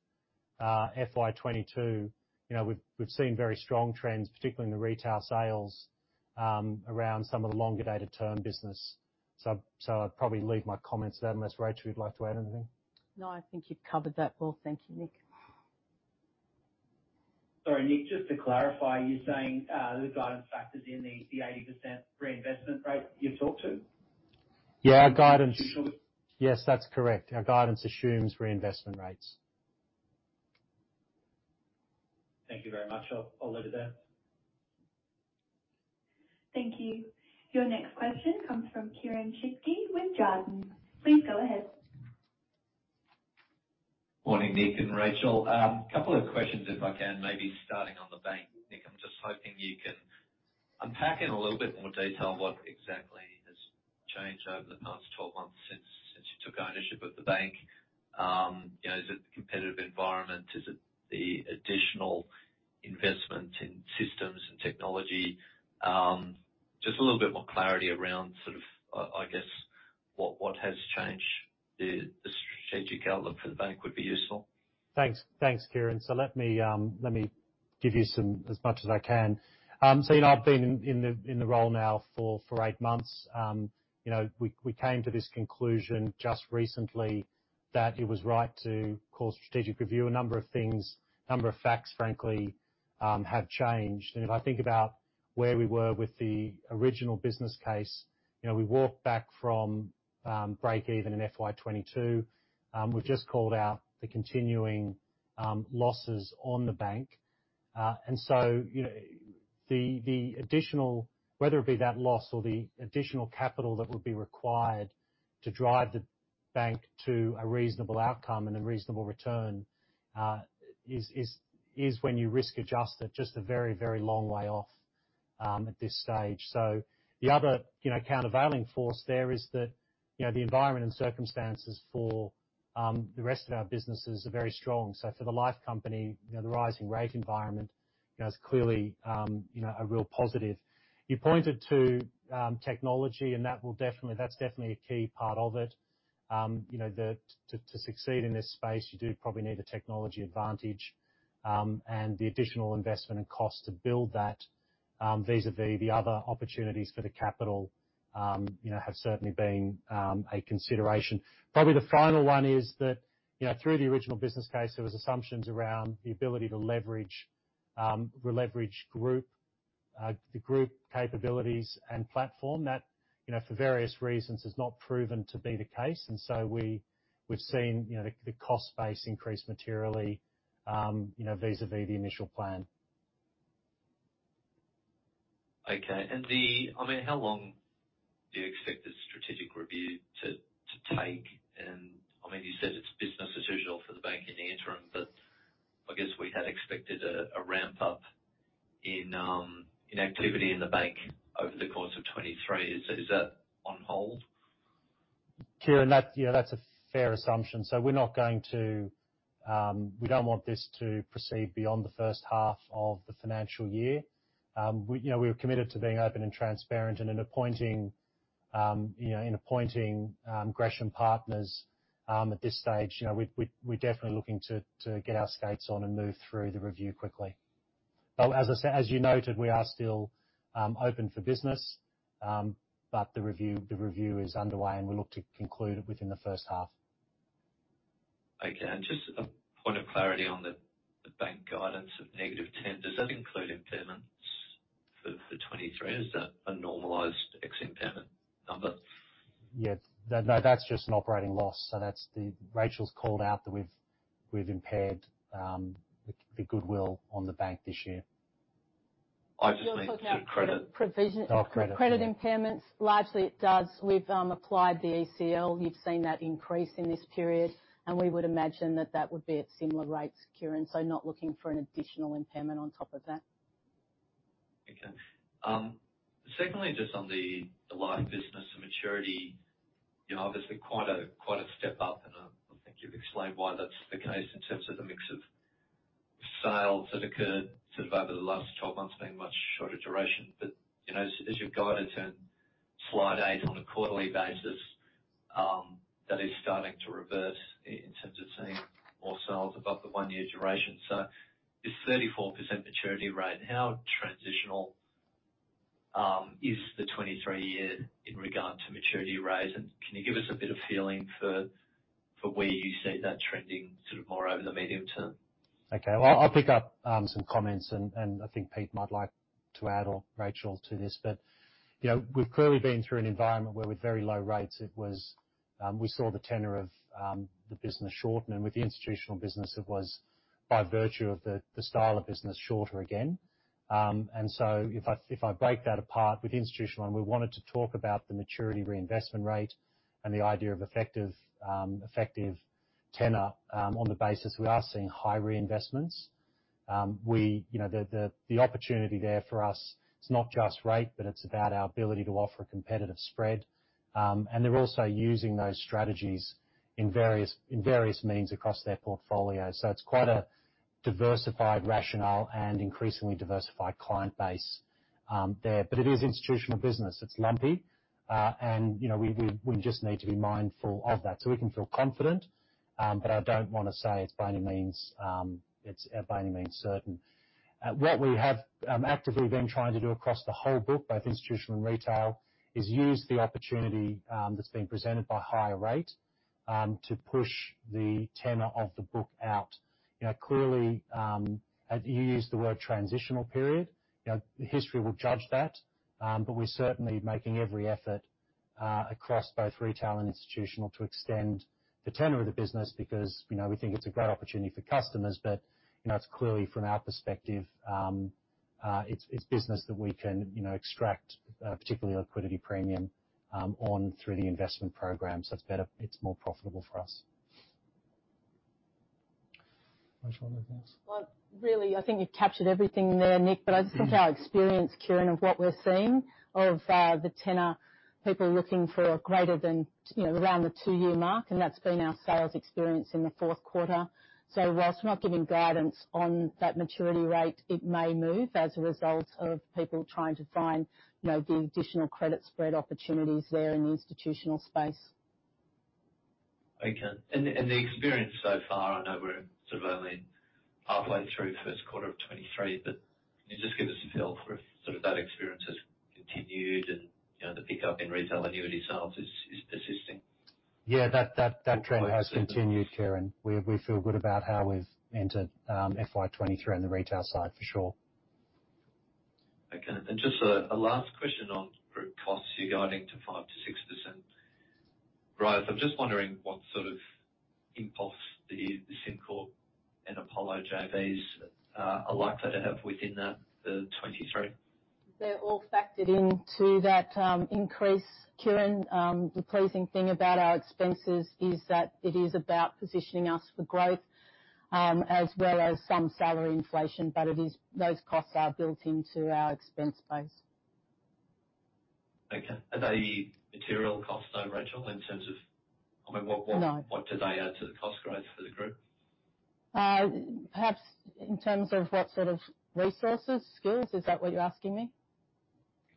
FY 2022, you know, we've seen very strong trends, particularly in the retail sales around some of the longer-dated term business. I'd probably leave my comments there unless, Rachel, you'd like to add anything. No, I think you've covered that well. Thank you, Nick. Sorry, Nick, just to clarify, you're saying the guidance factors in the 80% reinvestment rate you've talked to? Yes, that's correct. Our guidance assumes reinvestment rates. Thank you very much. I'll leave it there. Thank you. Your next question comes from Kieren Chidgey with Jarden. Please go ahead. Morning, Nick and Rachel. Couple of questions if I can, maybe starting on the Bank. Nick, I'm just hoping you can unpack in a little bit more detail what exactly has changed over the past 12 months since you took ownership of the Bank. You know, is it the competitive environment? Is it the additional investment in systems and technology? Just a little bit more clarity around sort of, I guess, what has changed. The strategic outlook for the Bank would be useful. Thanks. Thanks, Kieren. Let me give you some, as much as I can. You know, I've been in the role now for eight months. You know, we came to this conclusion just recently that it was right to call strategic review. A number of things, a number of facts, frankly, have changed. If I think about where we were with the original business case, you know, we walked back from break-even in FY 2022. We've just called out the continuing losses on the Bank. You know, the additional, whether it be that loss or the additional capital that would be required to drive the Bank to a reasonable outcome and a reasonable return, is when you risk adjust it, just a very long way off, at this stage. The other, you know, countervailing force there is that, you know, the environment and circumstances for the rest of our businesses are very strong. For the life company, you know, the rising rate environment, you know, is clearly, you know, a real positive. You pointed to technology, and that will definitely, that's definitely a key part of it. You know, to succeed in this space, you do probably need a technology advantage, and the additional investment and cost to build that, vis-à-vis the other opportunities for the capital, you know, have certainly been a consideration. Probably the final one is that, you know, through the original business case, there was assumptions around the ability to leverage the Group capabilities and platform. That, you know, for various reasons has not proven to be the case. We’ve seen, you know, the cost base increase materially, you know, vis-à-vis the initial plan. Okay. I mean, how long do you expect this strategic review to take? I mean, you said it's business as usual for the bank in the interim, but I guess we had expected a ramp up in activity in the Bank over the course of 2023. Is that on hold? Kieren, that you know, that's a fair assumption. We're not going to. We don't want this to proceed beyond the first half of the financial year. You know, we're committed to being open and transparent and in appointing Gresham Partners at this stage. You know, we're definitely looking to get our skates on and move through the review quickly. As you noted, we are still open for business. The review is underway, and we look to conclude it within the first half. Okay. Just a point of clarity on the Bank guidance of -10. Does that include impairments for 2023? Is that a normalized ex impairment number? Yes. No, that's just an operating loss. That's the Rachel's called out that we've impaired the goodwill on the bank this year. I just mean. You're talking about. to credit provision. Oh, credit. Yeah. Credit impairments. Largely it does. We've applied the ECL. You've seen that increase in this period, and we would imagine that that would be at similar rates, Kieren, so not looking for an additional impairment on top of that. Okay. Secondly, just on the life business, the maturity, you know, obviously quite a step up, and I think you've explained why that's the case in terms of the mix of sales that occurred sort of over the last 12 months being much shorter duration. You know, as you've guided to slide 8 on a quarterly basis, that is starting to reverse in terms of seeing more sales above the one-year duration. This 34% maturity rate, how transitional is the 23-year in regard to maturity rates? And can you give us a bit of feeling for where you see that trending sort of more over the medium term? Okay. Well, I'll pick up some comments and I think Pete might like to add or Rachel to this. You know, we've clearly been through an environment where with very low rates it was we saw the tenor of the business shorten. With the institutional business, it was by virtue of the style of business, shorter again. If I break that apart with institutional, and we wanted to talk about the maturity reinvestment rate and the idea of effective tenor on the basis we are seeing high reinvestments. You know, the opportunity there for us, it's not just rate, but it's about our ability to offer a competitive spread. They're also using those strategies in various means across their portfolio. It's quite a diversified rationale and increasingly diversified client base there. It is institutional business. It's lumpy. You know, we just need to be mindful of that. We can feel confident, but I don't wanna say it's by any means certain. What we have actively been trying to do across the whole book, both institutional and retail, is use the opportunity that's been presented by higher rate to push the tenor of the book out. You know, clearly, you used the word transitional period. You know, history will judge that, but we're certainly making every effort across both retail and institutional to extend the tenor of the business because you know, we think it's a great opportunity for customers. You know, it's clearly from our perspective. It's business that we can, you know, extract, particularly illiquidity premium, on through the investment program. It's better. It's more profitable for us. Rachel, anything else? Well, really, I think you've captured everything there, Nick. Mm-hmm. I think our experience, Kieren, of what we're seeing, the tenor, people are looking for greater than, you know, around the two-year mark, and that's been our sales experience in the fourth quarter. While we're not giving guidance on that maturity rate, it may move as a result of people trying to find, you know, the additional credit spread opportunities there in the institutional space. Okay. The experience so far, I know we're sort of only halfway through first quarter of 2023, but can you just give us a feel for if sort of that experience has continued and, you know, the pickup in retail annuity sales is persisting? Yeah. That trend has continued, Kieren. We feel good about how we've entered FY 2023 on the retail side for sure. Okay. Just a last question on Group costs. You're guiding to 5%-6% growth. I'm just wondering what sort of impact the SimCorp and Apollo JVs are likely to have within the 2023. They're all factored into that increase, Kieren. The pleasing thing about our expenses is that it is about positioning us for growth, as well as some salary inflation, but those costs are built into our expense base. Okay. Are they material costs though, Rachel, in terms of, I mean, what? No What do they add to the cost growth for the Group? Perhaps in terms of what sort of resources, skills, is that what you're asking me?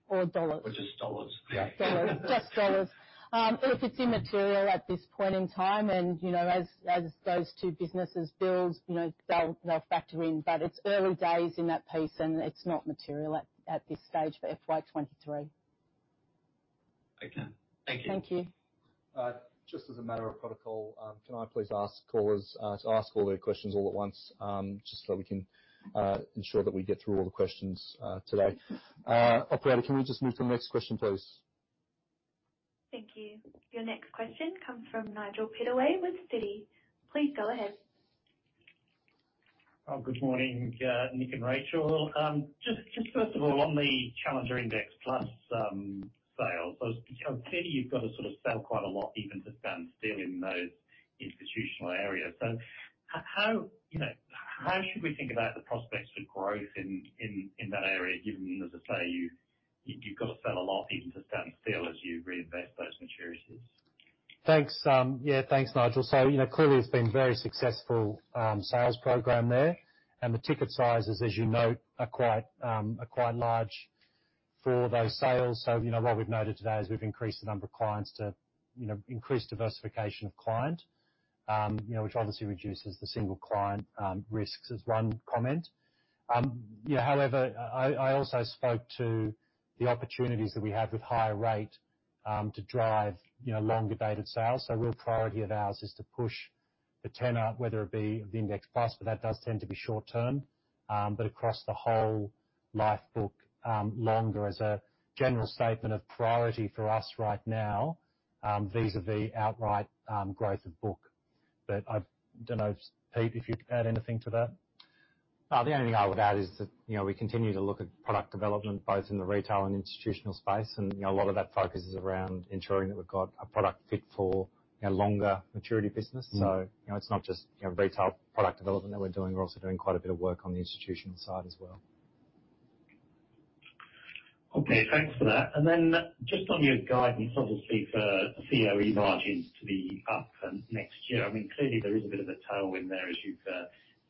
Or dollars? Just dollars. Yeah. Dollars. Just dollars. Look, it's immaterial at this point in time. You know, as those two businesses build, you know, they'll factor in. It's early days in that piece, and it's not material at this stage for FY 2023. Okay. Thank you. Thank you. Just as a matter of protocol, can I please ask callers to ask all their questions all at once, just so we can ensure that we get through all the questions today. Operator, can we just move to the next question, please? Thank you. Your next question comes from Nigel Pittaway with Citi. Please go ahead. Good morning, Nick and Rachel. Just first of all, on the Challenger Index Plus sales. Clearly, you've got to sort of sell quite a lot even to stand still in those institutional areas. How, you know, how should we think about the prospects for growth in that area, given, as I say, you've got to sell a lot even to stand still as you reinvest those maturities? Thanks. Yeah, thanks, Nigel. You know, clearly it's been very successful sales program there. The ticket sizes, as you note, are quite large for those sales. You know, what we've noted today is we've increased the number of clients to increase diversification of client, you know, which obviously reduces the single client risks as one comment. Yeah, however, I also spoke to the opportunities that we have with higher rate to drive longer dated sales. A real priority of ours is to push the tenor, whether it be the Index Plus, but that does tend to be short term, but across the whole life book, longer as a general statement of priority for us right now, vis-à-vis outright growth of book. I don't know if, Pete, if you'd add anything to that? The only thing I would add is that, you know, we continue to look at product development, both in the retail and institutional space. You know, a lot of that focus is around ensuring that we've got a product fit for a longer maturity business. Mm-hmm. you know, it's not just, you know, retail product development that we're doing, we're also doing quite a bit of work on the institutional side as well. Okay. Thanks for that. Just on your guidance, obviously, for COE margins to be up for next year, I mean, clearly there is a bit of a tailwind there, as you've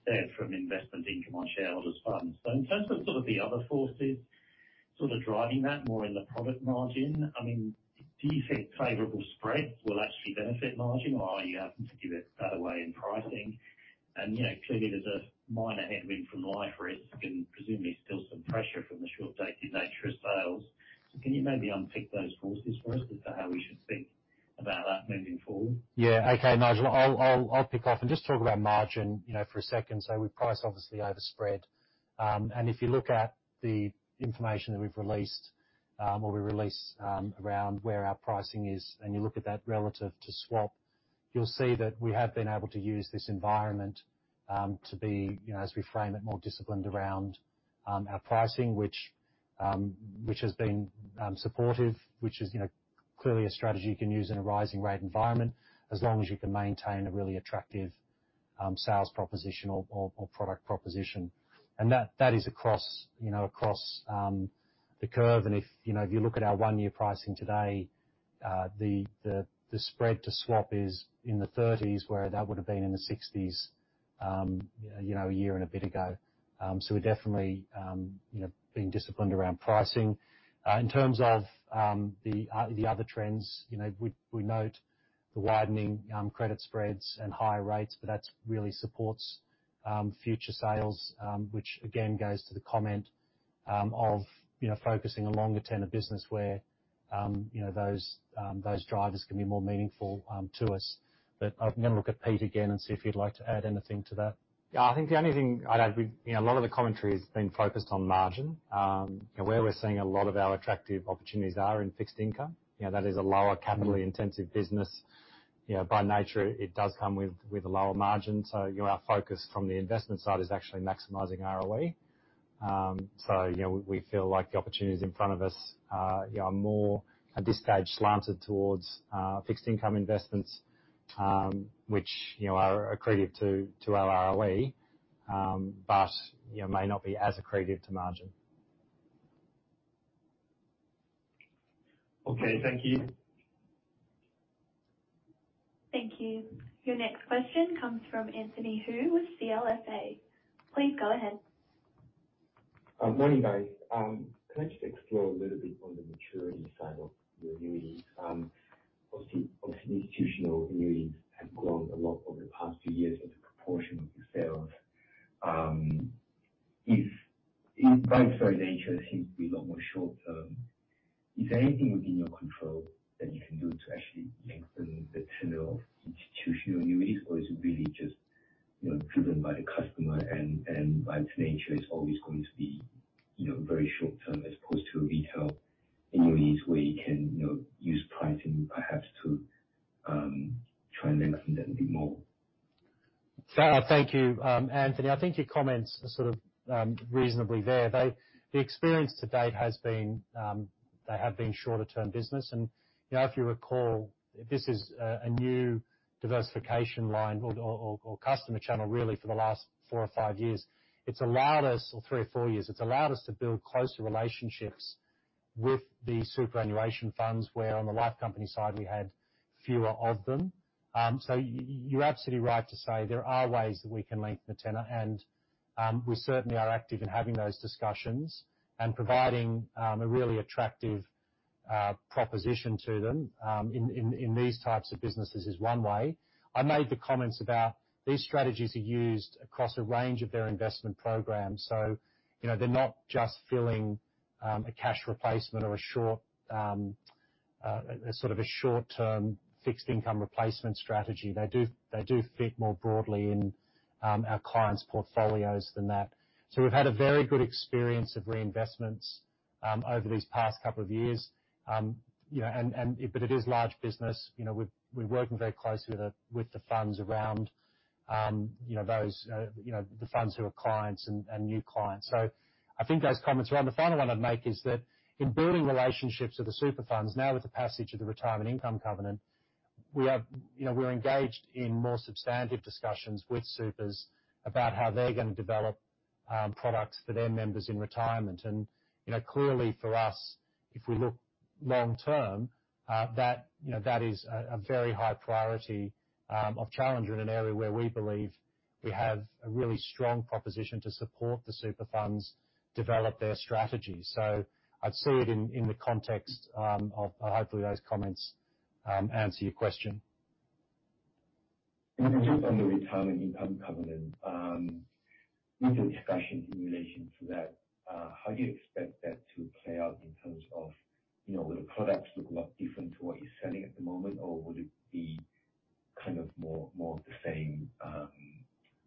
said, from investment income on shareholders' funds. In terms of sort of the other forces sort of driving that more in the product margin, I mean, do you think favorable spreads will actually benefit margin, or are you having to give it that away in pricing? You know, clearly there's a minor headwind from life risk and presumably still some pressure from the short dated nature of sales. Can you maybe unpick those forces for us as to how we should think about that moving forward? Yeah. Okay, Nigel, I'll pick up and just talk about margin, you know, for a second. We price obviously over spread. If you look at the information that we've released, or we release, around where our pricing is, and you look at that relative to swap, you'll see that we have been able to use this environment, you know, as we frame it, more disciplined around, our pricing, which has been supportive, which is, you know, clearly a strategy you can use in a rising rate environment as long as you can maintain a really attractive, sales proposition or product proposition. That is across, you know, across, the curve. If you know, if you look at our one-year pricing today, the spread to swap is in the 30s where that would have been in the 60s, you know, a year and a bit ago. We're definitely, you know, being disciplined around pricing. In terms of the other trends, you know, we note the widening credit spreads and higher rates, but that really supports future sales, which again goes to the comment of, you know, focusing a longer tenor business where, you know, those drivers can be more meaningful to us. I'm gonna look at Pete again and see if he'd like to add anything to that. Yeah. I think the only thing I'd add with, you know, a lot of the commentary has been focused on margin. You know, where we're seeing a lot of our attractive opportunities are in fixed income. You know, that is a lower- Mm-hmm Capital-intensive business. You know, by nature it does come with a lower margin. Our focus from the investment side is actually maximizing ROE. We feel like the opportunities in front of us are more at this stage slanted towards fixed income investments, which are accretive to our ROE, but may not be as accretive to margin. Okay. Thank you. Thank you. Your next question comes from Anthony Hoo with CLSA. Please go ahead. Morning, guys. Can I just explore a little bit on the maturity side of your annuities? Obviously institutional annuities have grown a lot over the past few years as a proportion of your sales. If by its very nature seems to be a lot more short term, is there anything within your control that you can do to actually lengthen the tenure of institutional annuities, or is it really just, you know, driven by the customer and by its nature is always going to be, you know, very short term as opposed to retail annuities where you can, you know, use pricing perhaps to try and lengthen that a bit more? Thank you, Anthony. I think your comments are sort of reasonably there. The experience to date has been they have been shorter term business. You know, if you recall, this is a new diversification line or customer channel really for the last four or five years or three or four years. It's allowed us to build closer relationships with the superannuation funds, where on the life company side we had fewer of them. You're absolutely right to say there are ways that we can lengthen the tenor and we certainly are active in having those discussions. Providing a really attractive proposition to them in these types of businesses is one way. I made the comments about these strategies are used across a range of their investment programs. You know, they're not just filling a cash replacement or a sort of a short-term fixed income replacement strategy. They do fit more broadly in our clients' portfolios than that. We've had a very good experience of reinvestments over these past couple of years. You know, but it is large business. You know, we're working very closely with the funds around you know those you know the funds who are clients and new clients. I think those comments are right. The final one I'd make is that in building relationships with the super funds, now with the passage of the Retirement Income Covenant, we are, you know, we're engaged in more substantive discussions with supers about how they're gonna develop products for their members in retirement. You know, clearly for us, if we look long term, that, you know, that is a very high priority of Challenger in an area where we believe we have a really strong proposition to support the super funds develop their strategy. I'd see it in the context. Hopefully those comments answer your question. Just on the Retirement Income Covenant, with the discussion in relation to that, how do you expect that to play out in terms of, you know, will the products look a lot different to what you're selling at the moment? Or would it be kind of more of the same,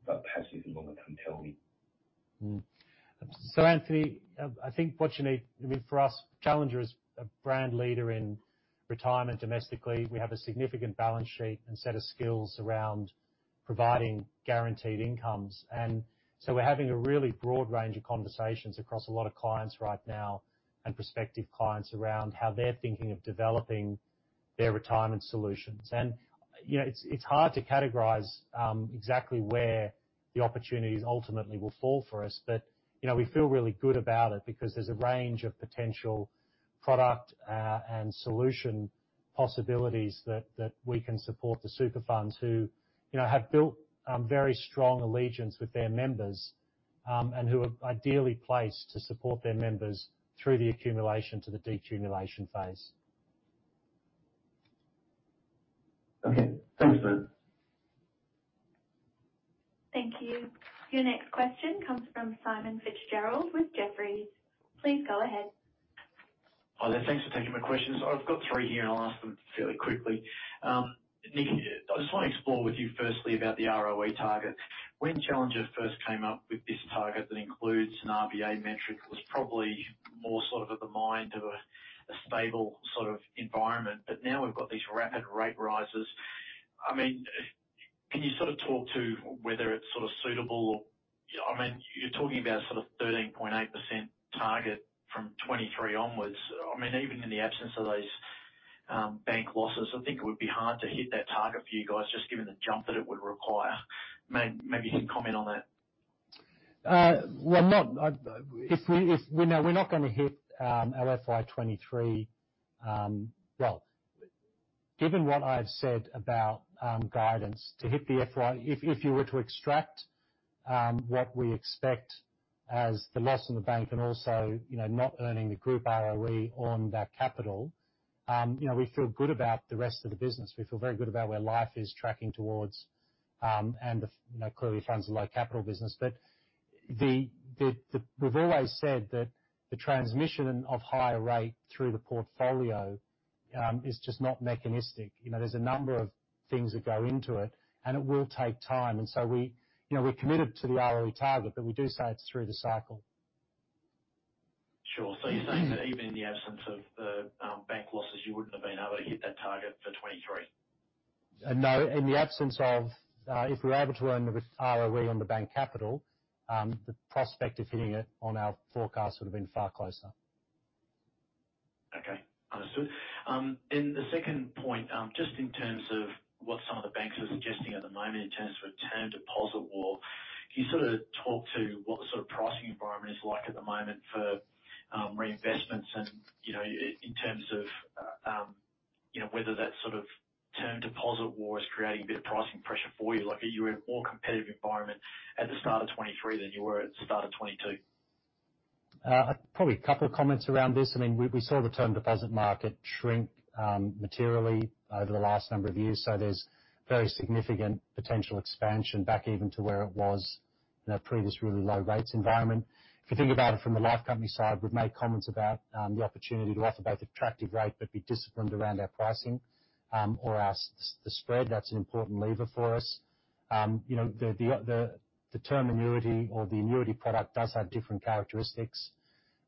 but perhaps with a longer term tail? Anthony, I think what you need I mean, for us, Challenger is a brand leader in retirement domestically. We have a significant balance sheet and set of skills around providing guaranteed incomes. We're having a really broad range of conversations across a lot of clients right now and prospective clients around how they're thinking of developing their retirement solutions. You know, it's hard to categorize exactly where the opportunities ultimately will fall for us. You know, we feel really good about it because there's a range of potential product and solution possibilities that we can support the super funds who, you know, have built very strong allegiance with their members and who are ideally placed to support their members through the accumulation to the decumulation phase. Okay. Thanks, Nick. Thank you. Your next question comes from Simon Fitzgerald with Jefferies. Please go ahead. Hi there. Thanks for taking my questions. I've got three here, and I'll ask them fairly quickly. Nick, I just want to explore with you firstly about the ROE target. When Challenger first came up with this target that includes an RBA metric, it was probably more sort of at the mind of a stable sort of environment. Now we've got these rapid rate rises. I mean, can you sort of talk to whether it's sort of suitable. I mean, you're talking about sort of 13.8% target from 2023 onwards. I mean, even in the absence of those Bank losses, I think it would be hard to hit that target for you guys, just given the jump that it would require. Maybe you can comment on that. We're not gonna hit our FY 2023. Given what I've said about guidance, to hit the FY, if you were to extract what we expect as the loss in the Bank and also, you know, not earning the Group ROE on that capital, you know, we feel good about the rest of the business. We feel very good about where life is tracking towards, and you know, clearly funds is a low capital business. The we've always said that the transmission of higher rate through the portfolio is just not mechanistic. You know, there's a number of things that go into it, and it will take time. We're committed to the ROE target, but we do say it's through the cycle. Sure. You're saying that even in the absence of the Bank losses, you wouldn't have been able to hit that target for 2023? No. In the absence of, if we were able to earn the ROE on the Bank capital, the prospect of hitting it on our forecast would have been far closer. Okay. Understood. The second point, just in terms of what some of the banks are suggesting at the moment in terms of a term deposit war, can you sort of talk to what the sort of pricing environment is like at the moment for reinvestments and, you know, in terms of, you know, whether that sort of term deposit war is creating a bit of pricing pressure for you? Like, are you in a more competitive environment at the start of 2023 than you were at the start of 2022? Probably a couple of comments around this. I mean, we saw the term deposit market shrink materially over the last number of years, so there's very significant potential expansion back even to where it was in our previous really low rates environment. If you think about it from the life company side, we've made comments about the opportunity to offer both attractive rate but be disciplined around our pricing, or our spread. That's an important lever for us. You know, the term annuity or the annuity product does have different characteristics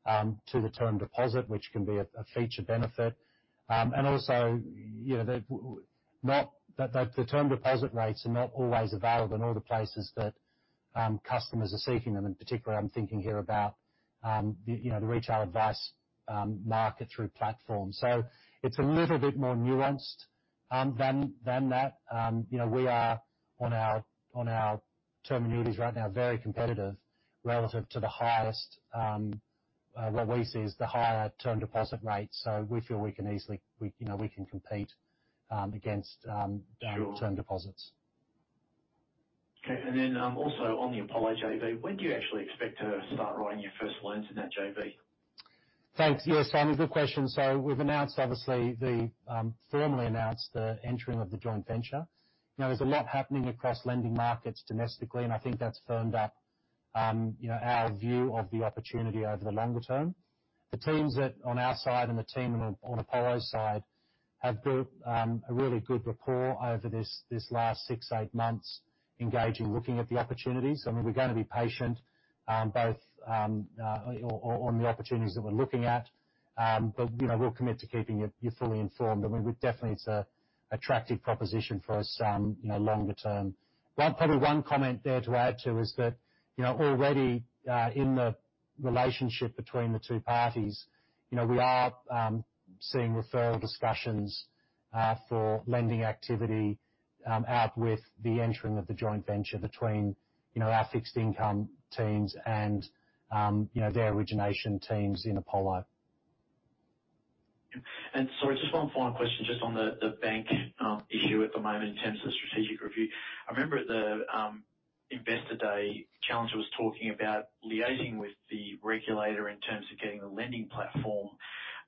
to the term deposit, which can be a feature benefit. The term deposit rates are not always available in all the places that customers are seeking them, and particularly I'm thinking here about you know the retail advice market through platforms. It's a little bit more nuanced than that. You know, we are on our term annuities right now very competitive relative to the highest what we see is the higher term deposit rates, so we feel we can easily you know we can compete against Sure. term deposits. Okay, also on the Apollo JV, when do you actually expect to start writing your first loans in that JV? Thanks. Yes, Simon, good question. We've obviously formally announced the entering of the joint venture. You know, there's a lot happening across lending markets domestically, and I think that's firmed up our view of the opportunity over the longer term. The teams on our side and the team on Apollo's side have built a really good rapport over this last 6-8 months, engaging, looking at the opportunities. I mean, we're going to be patient both on the opportunities that we're looking at. But you know, we'll commit to keeping you fully informed. I mean, definitely it's an attractive proposition for us, you know, longer term. Probably one comment there to add to is that, you know, already in the relationship between the two parties, you know, we are seeing referral discussions for lending activity prior to the entering of the joint venture between, you know, our fixed income teams and, you know, their origination teams in Apollo. Sorry, just one final question just on the Bank issue at the moment in terms of strategic review. I remember at the investor day, Challenger was talking about liaising with the regulator in terms of getting the lending platform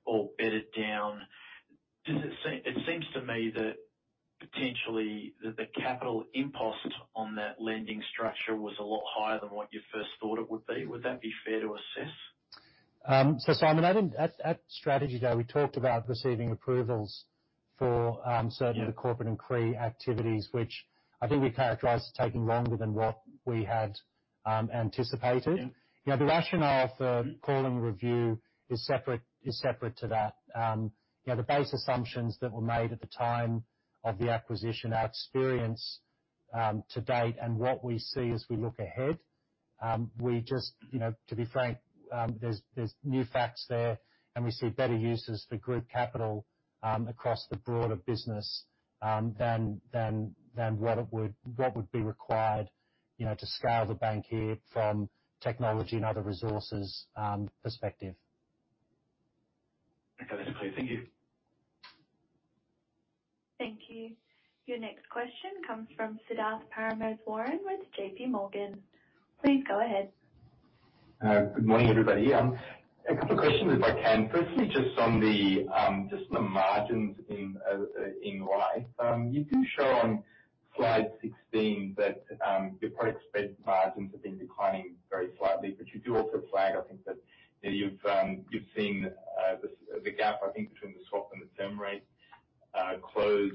all bedded down. It seems to me that potentially the capital imposed on that lending structure was a lot higher than what you first thought it would be. Would that be fair to assess? Simon, I think at strategy day, we talked about receiving approvals for. Yeah Certain of the corporate inquiry activities, which I think we characterized as taking longer than what we had anticipated. Yeah. You know, the rationale for calling a review is separate to that. You know, the base assumptions that were made at the time of the acquisition, our experience to date and what we see as we look ahead, we just, you know, to be frank, there's new facts there, and we see better uses for Group capital across the broader business than what would be required, you know, to scale the Bank here from technology and other resources perspective. Okay. That's clear. Thank you. Thank you. Your next question comes from Siddharth Parameswaran with JPMorgan. Please go ahead. Good morning, everybody. A couple questions if I can. Firstly, just on the margins in Life. You do show on slide 16 that your product spread margins have been declining very slightly, but you do also flag, I think, that, you know, you've seen the gap, I think, between the swap and the term rate close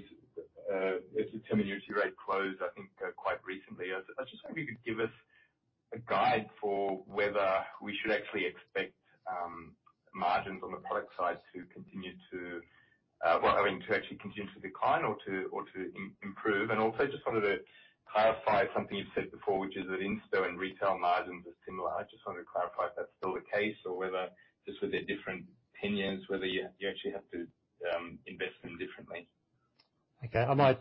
as the term and yield rate closed, I think, quite recently. I was just wondering if you could give us a guide for whether we should actually expect margins on the product side to continue to, well, I mean, to actually continue to decline or to improve. Also just wanted to clarify something you've said before, which is that insto and retail margins are similar. I just wanted to clarify if that's still the case or whether just with their different opinions, whether you actually have to invest in them differently? Okay. I might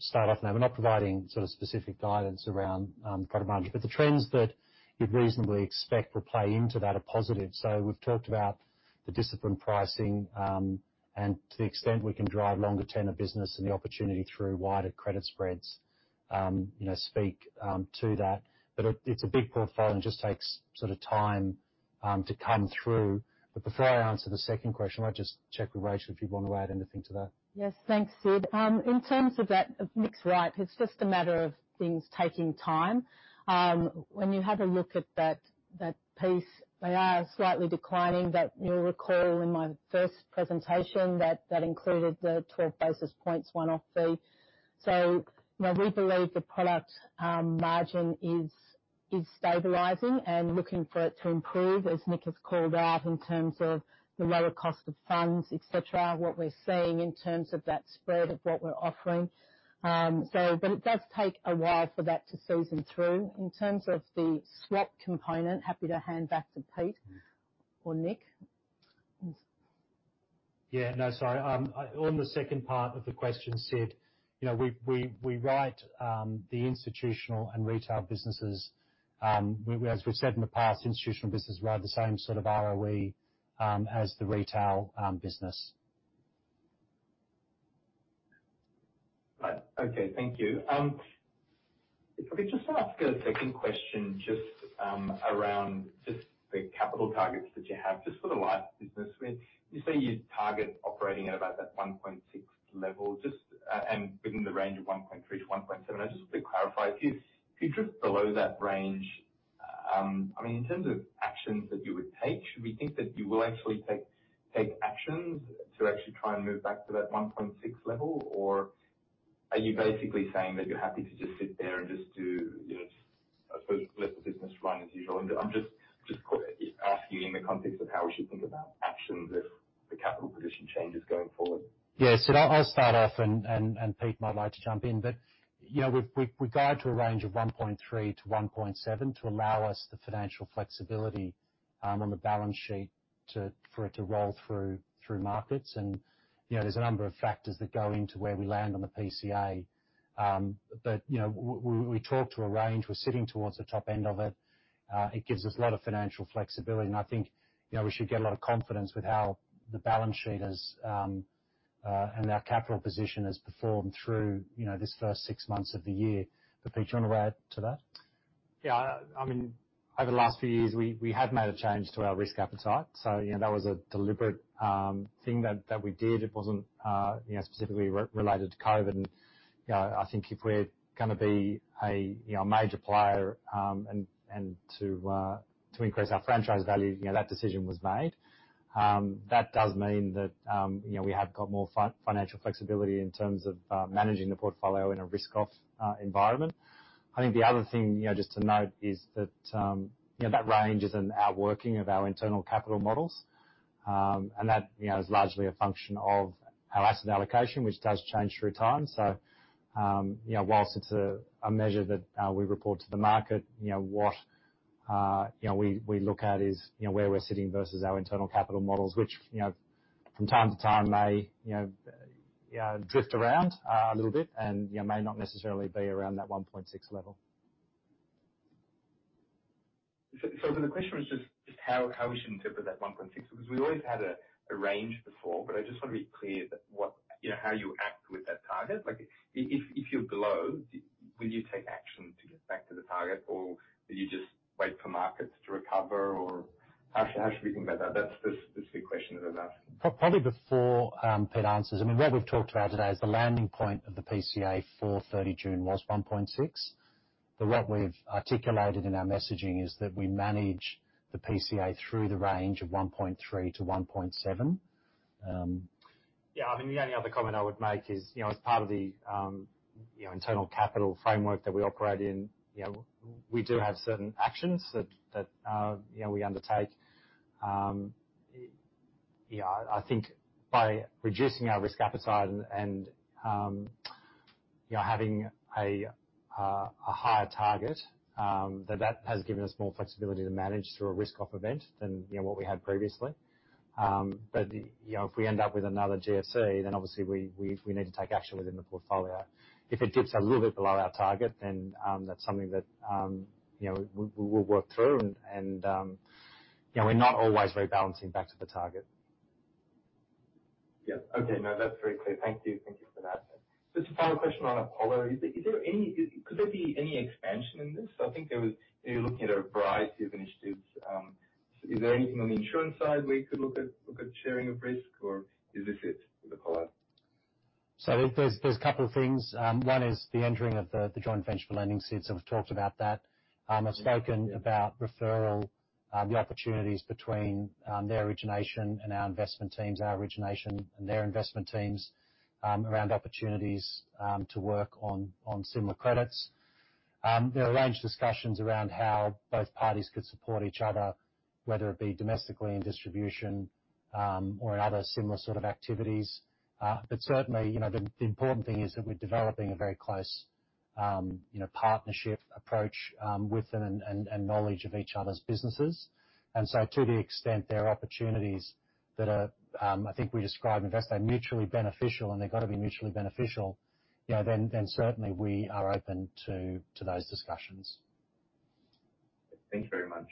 start off. Now, we're not providing sort of specific guidance around credit margins, but the trends that you'd reasonably expect would play into that are positive. We've talked about the disciplined pricing, and to the extent we can drive longer tenure business and the opportunity through wider credit spreads, you know, speak to that. It's a big portfolio. It just takes sort of time to come through. Before I answer the second question, I might just check with Rachel if you'd want to add anything to that. Yes. Thanks, Sid. In terms of that, Nick's right. It's just a matter of things taking time. When you have a look at that piece, they are slightly declining. You'll recall in my first presentation that that included the 12 basis points one-off fee. You know, we believe the product margin is stabilizing and looking for it to improve, as Nick has called out, in terms of the lower cost of funds, et cetera, what we're seeing in terms of that spread of what we're offering. It does take a while for that to season through. In terms of the swap component, happy to hand back to Pete or Nick. On the second part of the question, Sid, you know, the institutional and retail businesses, as we've said in the past, institutional business rate the same sort of ROE as the retail business. Okay. Thank you. If I could just ask a second question just around the capital targets that you have just for the Life business. When you say you target operating at about that 1.6 level, just, and within the range of 1.3-1.7, I just want to clarify. If you drift below that range, I mean, in terms of actions that you would take, should we think that you will actually take actions to actually try and move back to that 1.6 level? Or are you basically saying that you're happy to just sit there and just do, you know, I suppose, let the business run as usual? I'm just asking in the context of how we should think about actions if the capital position changes going forward. Yeah. Sid, I'll start off and Pete might like to jump in. Yeah, we guide to a range of 1.3-1.7 to allow us the financial flexibility on the balance sheet for it to roll through markets. You know, there's a number of factors that go into where we land on the PCA. You know, we talk to a range. We're sitting towards the top end of it. It gives us a lot of financial flexibility, and I think, you know, we should get a lot of confidence with how the balance sheet has and our capital position has performed through, you know, this first six months of the year. Pete, do you want to add to that? Yeah. I mean, over the last few years, we have made a change to our risk appetite. You know, that was a deliberate thing that we did. It wasn't, you know, specifically related to COVID. You know, I think if we're gonna be a, you know, a major player, and to increase our franchise value, you know, that decision was made. That does mean that, you know, we have got more financial flexibility in terms of managing the portfolio in a risk off environment. I think the other thing, you know, just to note is that, you know, that range is an outworking of our internal capital models. That, you know, is largely a function of our asset allocation, which does change through time. you know, whilst it's a measure that we report to the market, you know, what You know, what we look at is you know where we're sitting versus our internal capital models, which you know from time to time may you know drift around a little bit and yeah may not necessarily be around that 1.6 level. The question was just how we should interpret that 1.6, because we've always had a range before, but I just want to be clear that what you know, how you act with that target. Like if you're below, do you take action to get back to the target, or do you just wait for markets to recover? Or how should we think about that? That's the big question that I'm asking. Probably before Pete answers. I mean, what we've talked about today is the landing point of the PCA for June 30, 2022 was 1.6. What we've articulated in our messaging is that we manage the PCA through the range of 1.3-1.7. Yeah, I mean, the only other comment I would make is, you know, as part of the internal capital framework that we operate in, you know, we do have certain actions that we undertake. Yeah, I think by reducing our risk appetite and having a higher target, that has given us more flexibility to manage through a risk-off event than what we had previously. You know, if we end up with another GFC, then obviously we need to take action within the portfolio. If it dips a little bit below our target, then that's something that you know, we will work through and you know, we're not always rebalancing back to the target. Yeah. Okay. No, that's very clear. Thank you. Thank you for that. Just a final question on Apollo. Is there any? Could there be any expansion in this? I think there was. You're looking at a variety of initiatives. Is there anything on the insurance side where you could look at sharing of risk, or is this it with Apollo? There's a couple of things. One is the entering of the joint venture for lending suite, and we've talked about that. I've spoken about referral the opportunities between their origination and our investment teams, our origination and their investment teams, around opportunities to work on similar credits. There are range of discussions around how both parties could support each other, whether it be domestically in distribution, or in other similar sort of activities. Certainly, you know, the important thing is that we're developing a very close, you know, partnership approach with them and knowledge of each other's businesses. To the extent there are opportunities that are, I think we describe mutually beneficial, and they've got to be mutually beneficial, you know, then certainly we are open to those discussions. Thank you very much.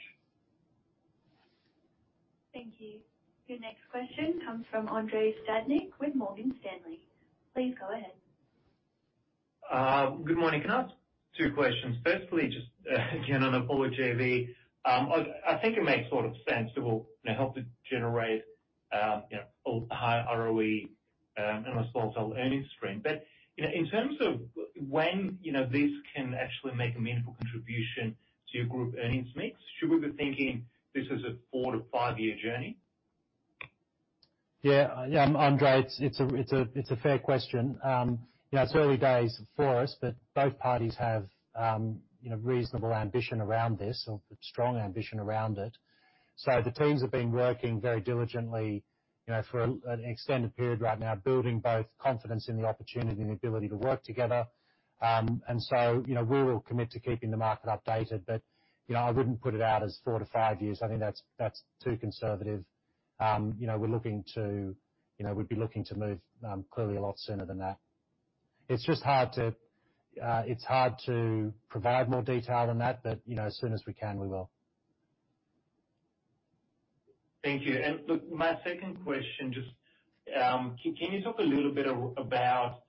Thank you. Your next question comes from Andrei Stadnik with Morgan Stanley. Please go ahead. Good morning. Can I ask two questions? Firstly, just again, on Apollo JV. I think it makes sort of sense that will, you know, help to generate, you know, a higher ROE, and a small earnings stream. You know, in terms of when, you know, this can actually make a meaningful contribution to your Group earnings mix, should we be thinking this is a 4-5-year journey? Yeah, Andrei, it's a fair question. You know, it's early days for us, but both parties have reasonable ambition around this or strong ambition around it. The teams have been working very diligently, you know, for an extended period right now, building both confidence in the opportunity and the ability to work together. You know, we will commit to keeping the market updated. You know, I wouldn't put it out as four to five years. I think that's too conservative. You know, we'd be looking to move clearly a lot sooner than that. It's just hard to provide more detail on that, but you know, as soon as we can, we will. Thank you. Look, my second question, just, can you talk a little bit about,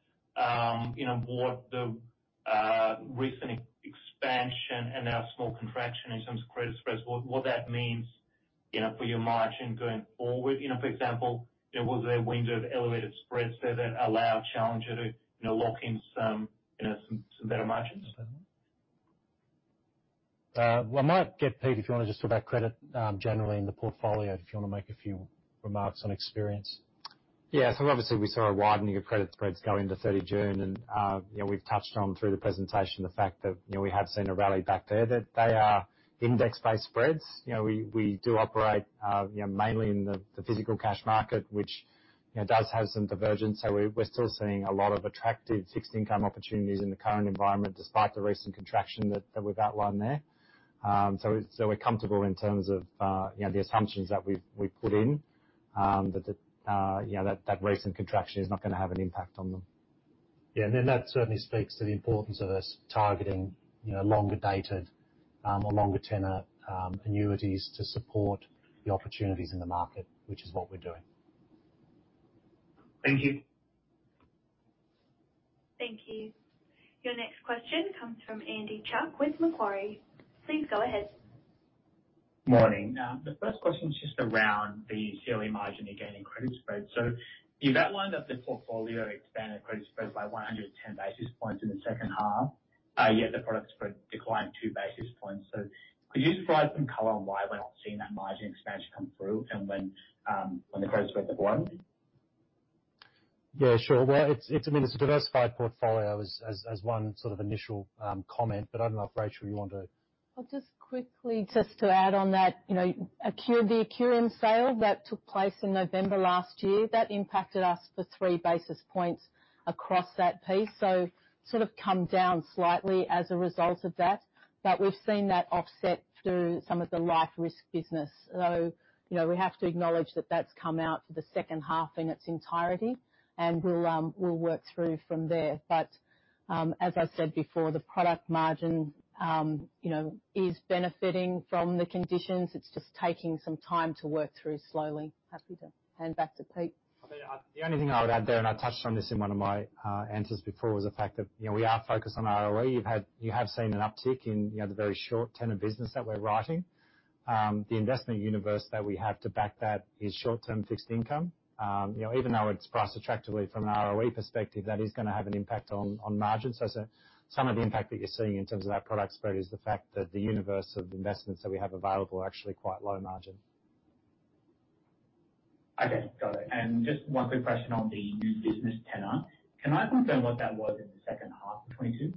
you know, what the recent expansion and a small contraction in terms of credit spreads, what that means, you know, for your margin going forward? You know, for example, you know, was there a window of elevated spreads there that allow Challenger to, you know, lock in some better margins? Well, I might get Pete, if you wanna just talk about credit generally in the portfolio, if you wanna make a few remarks on experience. Yeah. Obviously we saw a widening of credit spreads going to June 30, 2022 and, you know, we've touched on through the presentation the fact that, you know, we have seen a rally back there, that they are index-based spreads. You know, we do operate, you know, mainly in the physical cash market, which, you know, does have some divergence. We're still seeing a lot of attractive fixed income opportunities in the current environment, despite the recent contraction that we've outlined there. We're comfortable in terms of, you know, the assumptions that we've put in, that the recent contraction is not gonna have an impact on them. Yeah. That certainly speaks to the importance of us targeting, you know, longer dated, or longer tenor, annuities to support the opportunities in the market, which is what we're doing. Thank you. Thank you. Your next question comes from Andy Chuk with Macquarie. Please go ahead. Morning. The first question is just around the COE margin you gain in credit spreads. You've outlined that the portfolio expanded credit spreads by 110 basis points in the second half, yet the product spread declined 2 basis points. Could you provide some color on why we're not seeing that margin expansion come through and when the credit spread will grow? Yeah, sure. Well, it's I mean, it's a diversified portfolio as one sort of initial comment, but I don't know if Rachel, you want to Well, just quickly to add on that, you know, the Accurium sale that took place in November last year, that impacted us for 3 basis points across that piece. Sort of come down slightly as a result of that. We've seen that offset through some of the life risk business, though, you know, we have to acknowledge that that's come out for the second half in its entirety, and we'll work through from there. As I said before, the product margin, you know, is benefiting from the conditions. It's just taking some time to work through slowly. Happy to hand back to Pete. I mean, the only thing I would add there, and I touched on this in one of my answers before, was the fact that, you know, we are focused on ROE. You have seen an uptick in, you know, the very short end of business that we're writing. The investment universe that we have to back that is short-term fixed income. You know, even though it's priced attractively from an ROE perspective, that is gonna have an impact on margins. Some of the impact that you're seeing in terms of that product spread is the fact that the universe of investments that we have available are actually quite low margin. Okay. Got it. Just one quick question on the new business tenor. Can I confirm what that was in the second half of 2022?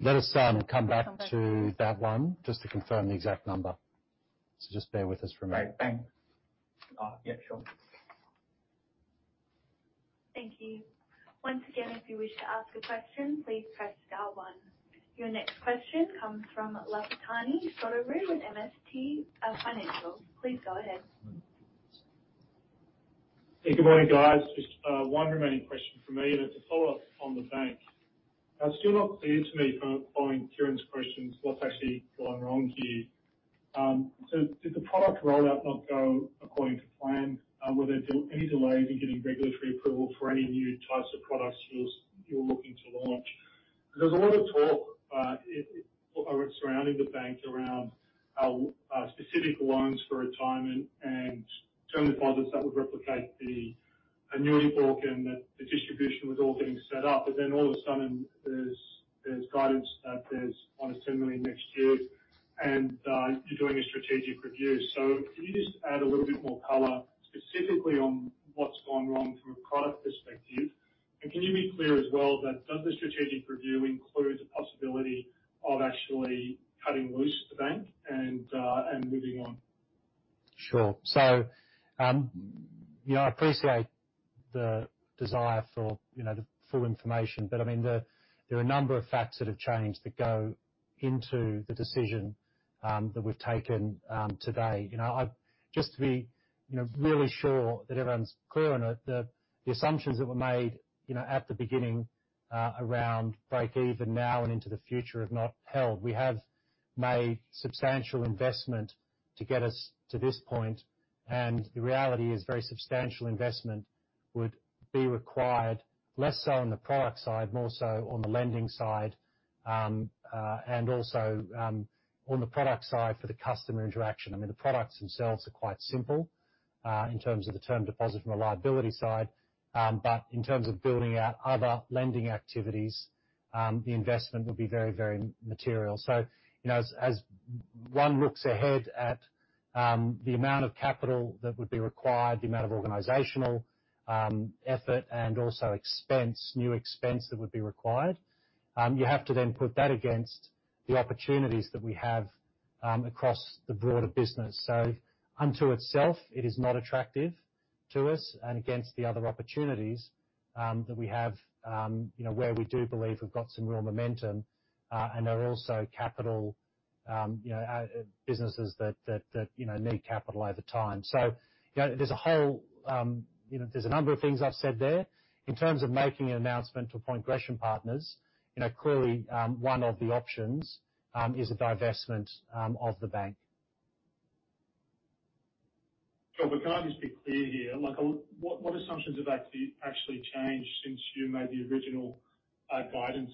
Let us come back to that one just to confirm the exact number. Just bear with us for a minute. Great. Thanks. Yeah, sure. Thank you. Once again, if you wish to ask a question, please press star one. Your next question comes from Lafitani Sotiriou with MST Financial. Please go ahead. Hey, good morning, guys. Just one remaining question from me, and it's a follow-up on the Bank. It's still not clear to me from following Kieren's questions what's actually gone wrong here. Did the product rollout not go according to plan? Were there any delays in getting regulatory approval for any new types of products you were looking to launch? Because there was a lot of talk surrounding the Bank around specific loans for retirement and term deposits that would replicate the annuity form and that the distribution was all getting set up. But then all of a sudden, there's guidance that there's -10 million next year and you're doing a strategic review. Can you just add a little bit more color specifically on what's gone wrong from a product perspective? Can you be clear as well that does the strategic review include the possibility of actually cutting loose the Bank and moving on? Sure. You know, I appreciate the desire for, you know, the full information, but I mean, there are a number of facts that have changed that go into the decision that we've taken today. You know, just to be, you know, really sure that everyone's clear on it, the assumptions that were made, you know, at the beginning, around break even now and into the future have not held. We have made substantial investment to get us to this point, and the reality is very substantial investment would be required, less so on the product side, more so on the lending side, and also, on the product side for the customer interaction. I mean, the products themselves are quite simple, in terms of the term deposit from a liability side. In terms of building out other lending activities, the investment would be very, very material. You know, as one looks ahead at the amount of capital that would be required, the amount of organizational effort and also expense, new expense that would be required, you have to then put that against the opportunities that we have across the broader business. Unto itself, it is not attractive to us and against the other opportunities that we have, you know, where we do believe we've got some real momentum, and are also capital, you know, businesses that you know need capital over time. You know, there's a whole, you know, there's a number of things I've said there. In terms of making an announcement to appoint Gresham Partners, you know, clearly, one of the options is a divestment of the Bank. Sure. Can I just be clear here? Like, what assumptions have actually changed since you made the original guidance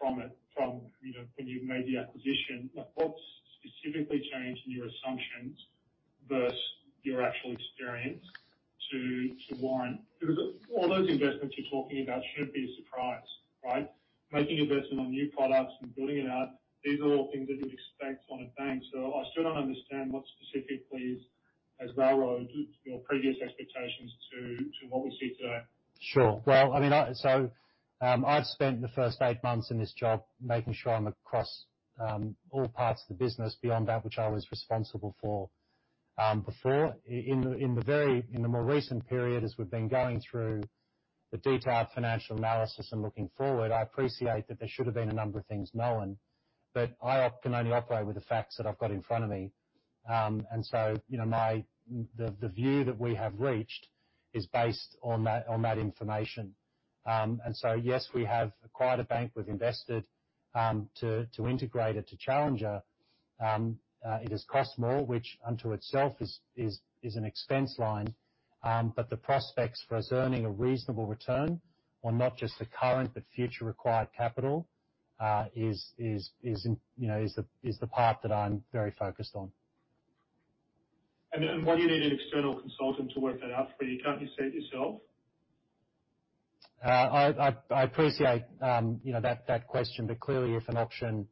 from, you know, when you made the acquisition? Like, what's specifically changed in your assumptions versus your actual experience to warrant. Because all those investments you're talking about shouldn't be a surprise, right? Making investment on new products and building it out, these are all things that you'd expect on a Bank. I still don't understand what specifically has railroaded your previous expectations to what we see today. Sure. Well, I mean, I've spent the first eight months in this job making sure I'm across all parts of the business beyond that which I was responsible for before. In the more recent period, as we've been going through the detailed financial analysis and looking forward, I appreciate that there should have been a number of things known, but I can only operate with the facts that I've got in front of me. The view that we have reached is based on that information. Yes, we have acquired a Bank. We've invested to integrate it to Challenger. It has cost more, which in and of itself is an expense line. The prospects for us earning a reasonable return on not just the current but future required capital is you know the part that I'm very focused on. Why do you need an external consultant to work that out for you? Can't you see it yourself? I appreciate, you know, that question, but clearly, if an option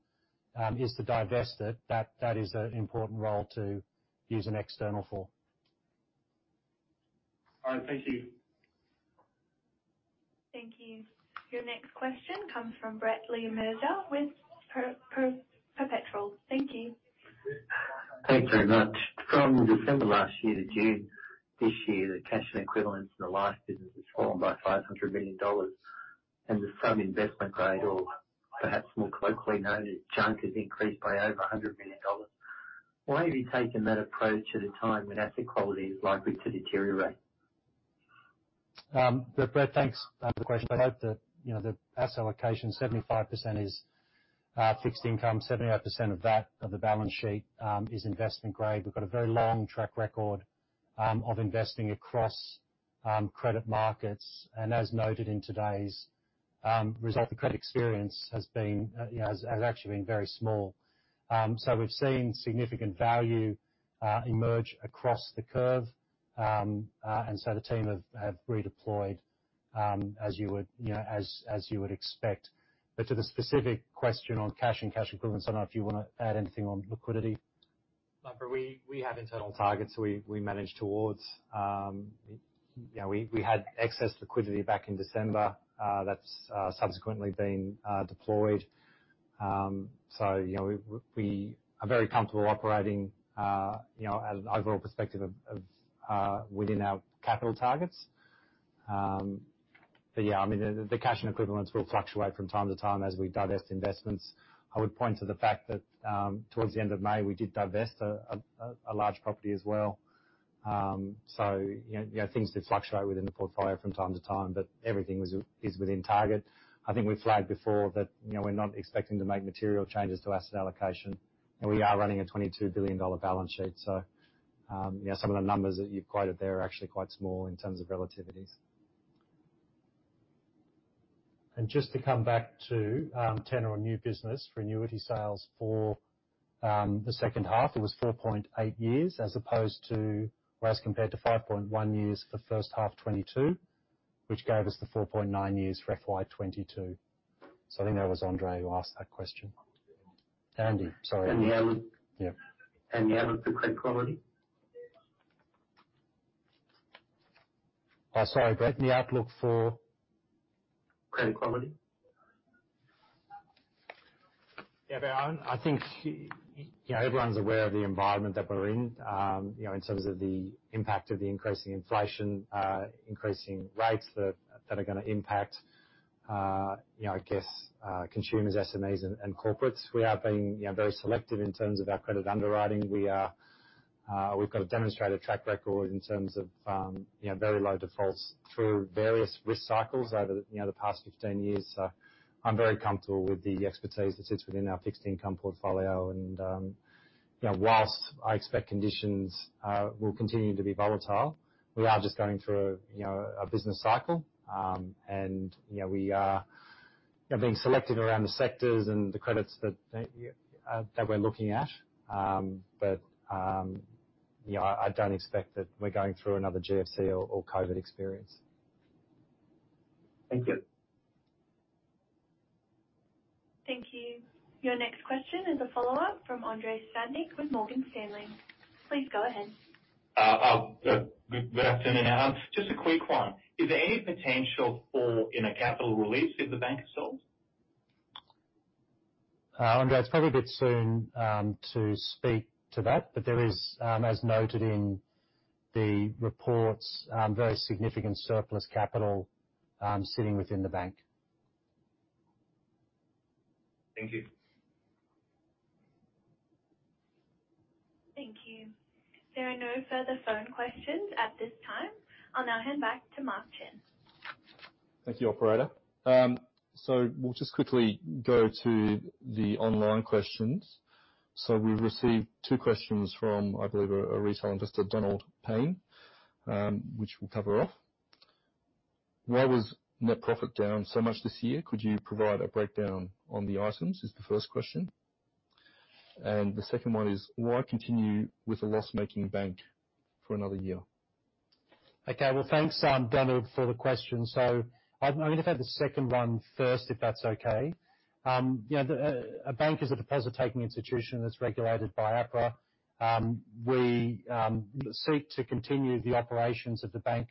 is to divest it, that is an important role to use an external for. All right, thank you. Thank you. Your next question comes from Brett Le Mesurier with Perpetual. Thank you. Thanks very much. From December last year to June this year, the cash and equivalents in the life business has fallen by 500 million dollars. The sub-investment grade, or perhaps more colloquially known as junk, has increased by over AUD 100 million. Why have you taken that approach at a time when asset quality is likely to deteriorate? Brett, thanks for the question. I hope, you know, the asset allocation, 75% is fixed income. 75% of that, of the balance sheet, is investment grade. We've got a very long track record of investing across credit markets. As noted in today's result, the credit experience has been, you know, has actually been very small. We've seen significant value emerge across the curve. The team have redeployed as you would, you know, as you would expect. To the specific question on cash and cash equivalents, I don't know if you wanna add anything on liquidity. Look, we have internal targets we manage towards. You know, we had excess liquidity back in December, that's subsequently been deployed. You know, we are very comfortable operating, you know, at an overall perspective of within our capital targets. Yeah, I mean, the cash and equivalents will fluctuate from time to time as we divest investments. I would point to the fact that, towards the end of May, we did divest a large property as well. You know, things did fluctuate within the portfolio from time to time, but everything is within target. I think we flagged before that, you know, we're not expecting to make material changes to asset allocation, and we are running an 22 billion dollar balance sheet. You know, some of the numbers that you've quoted there are actually quite small in terms of relativities. Just to come back to tenure on new business for annuity sales for the second half, it was 4.8 years as opposed to 5.1 years for first half 2022, which gave us the 4.9 years for FY 2022. I think that was Andrei who asked that question. Andy, sorry. The outlook. Yeah. The outlook for credit quality? Oh, sorry, Brett. The outlook for? Credit quality. Yeah, I think you know, everyone's aware of the environment that we're in, you know, in terms of the impact of the increasing inflation, increasing rates that are gonna impact, you know, I guess, consumers, SMEs, and corporates. We have been, you know, very selective in terms of our credit underwriting. We've got a demonstrated track record in terms of, you know, very low defaults through various risk cycles over, you know, the past 15 years. I'm very comfortable with the expertise that sits within our fixed income portfolio. You know, while I expect conditions will continue to be volatile, we are just going through, you know, a business cycle. You know, we are, you know, being selective around the sectors and the credits that we're looking at. You know, I don't expect that we're going through another GFC or COVID experience. Thank you. Thank you. Your next question is a follow-up from Andrei Stadnik with Morgan Stanley. Please go ahead. Good afternoon, Alan. Just a quick one. Is there any potential for a capital release if the Bank is sold? Andrei, it's probably a bit soon to speak to that. There is, as noted in the reports, very significant surplus capital, sitting within the Bank. Thank you. Thank you. There are no further phone questions at this time. I'll now hand back to Mark Chen. Thank you, operator. We'll just quickly go to the online questions. We've received two questions from, I believe, a retail investor, Donald Payne, which we'll cover off. "Why was net profit down so much this year? Could you provide a breakdown on the items?" is the first question. The second one is, "Why continue with a loss-making Bank for another year? Okay. Well, thanks, Donald, for the question. I'm gonna take the second one first, if that's okay. You know, a Bank is a deposit-taking institution that's regulated by APRA. We seek to continue the operations of the Bank,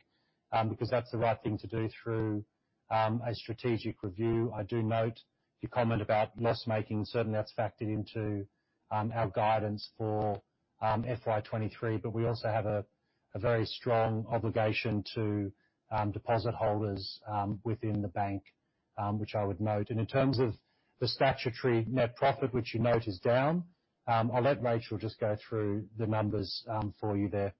because that's the right thing to do through a strategic review. I do note your comment about loss-making. Certainly, that's factored into our guidance for FY 2023, but we also have a very strong obligation to deposit holders within the Bank, which I would note. In terms of the statutory net profit, which you note is down, I'll let Rachel just go through the numbers for you there.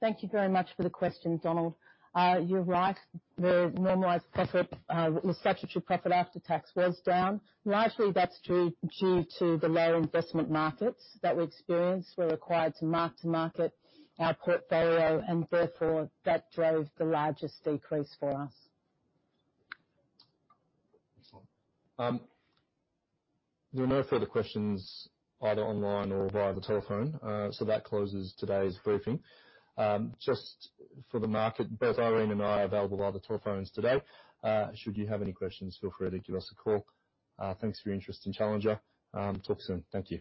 Thank you very much for the question, Donald. You're right. The normalized profit, the statutory profit after tax was down. Largely that's due to the lower investment markets that we experienced. We're required to mark-to-market our portfolio, and therefore, that drove the largest decrease for us. Excellent. There are no further questions either online or via the telephone. That closes today's briefing. Just for the market, both Irene and I are available via the telephones today. Should you have any questions, feel free to give us a call. Thanks for your interest in Challenger. Talk soon. Thank you.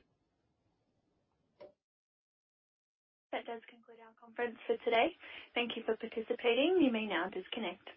That does conclude our conference for today. Thank you for participating. You may now disconnect.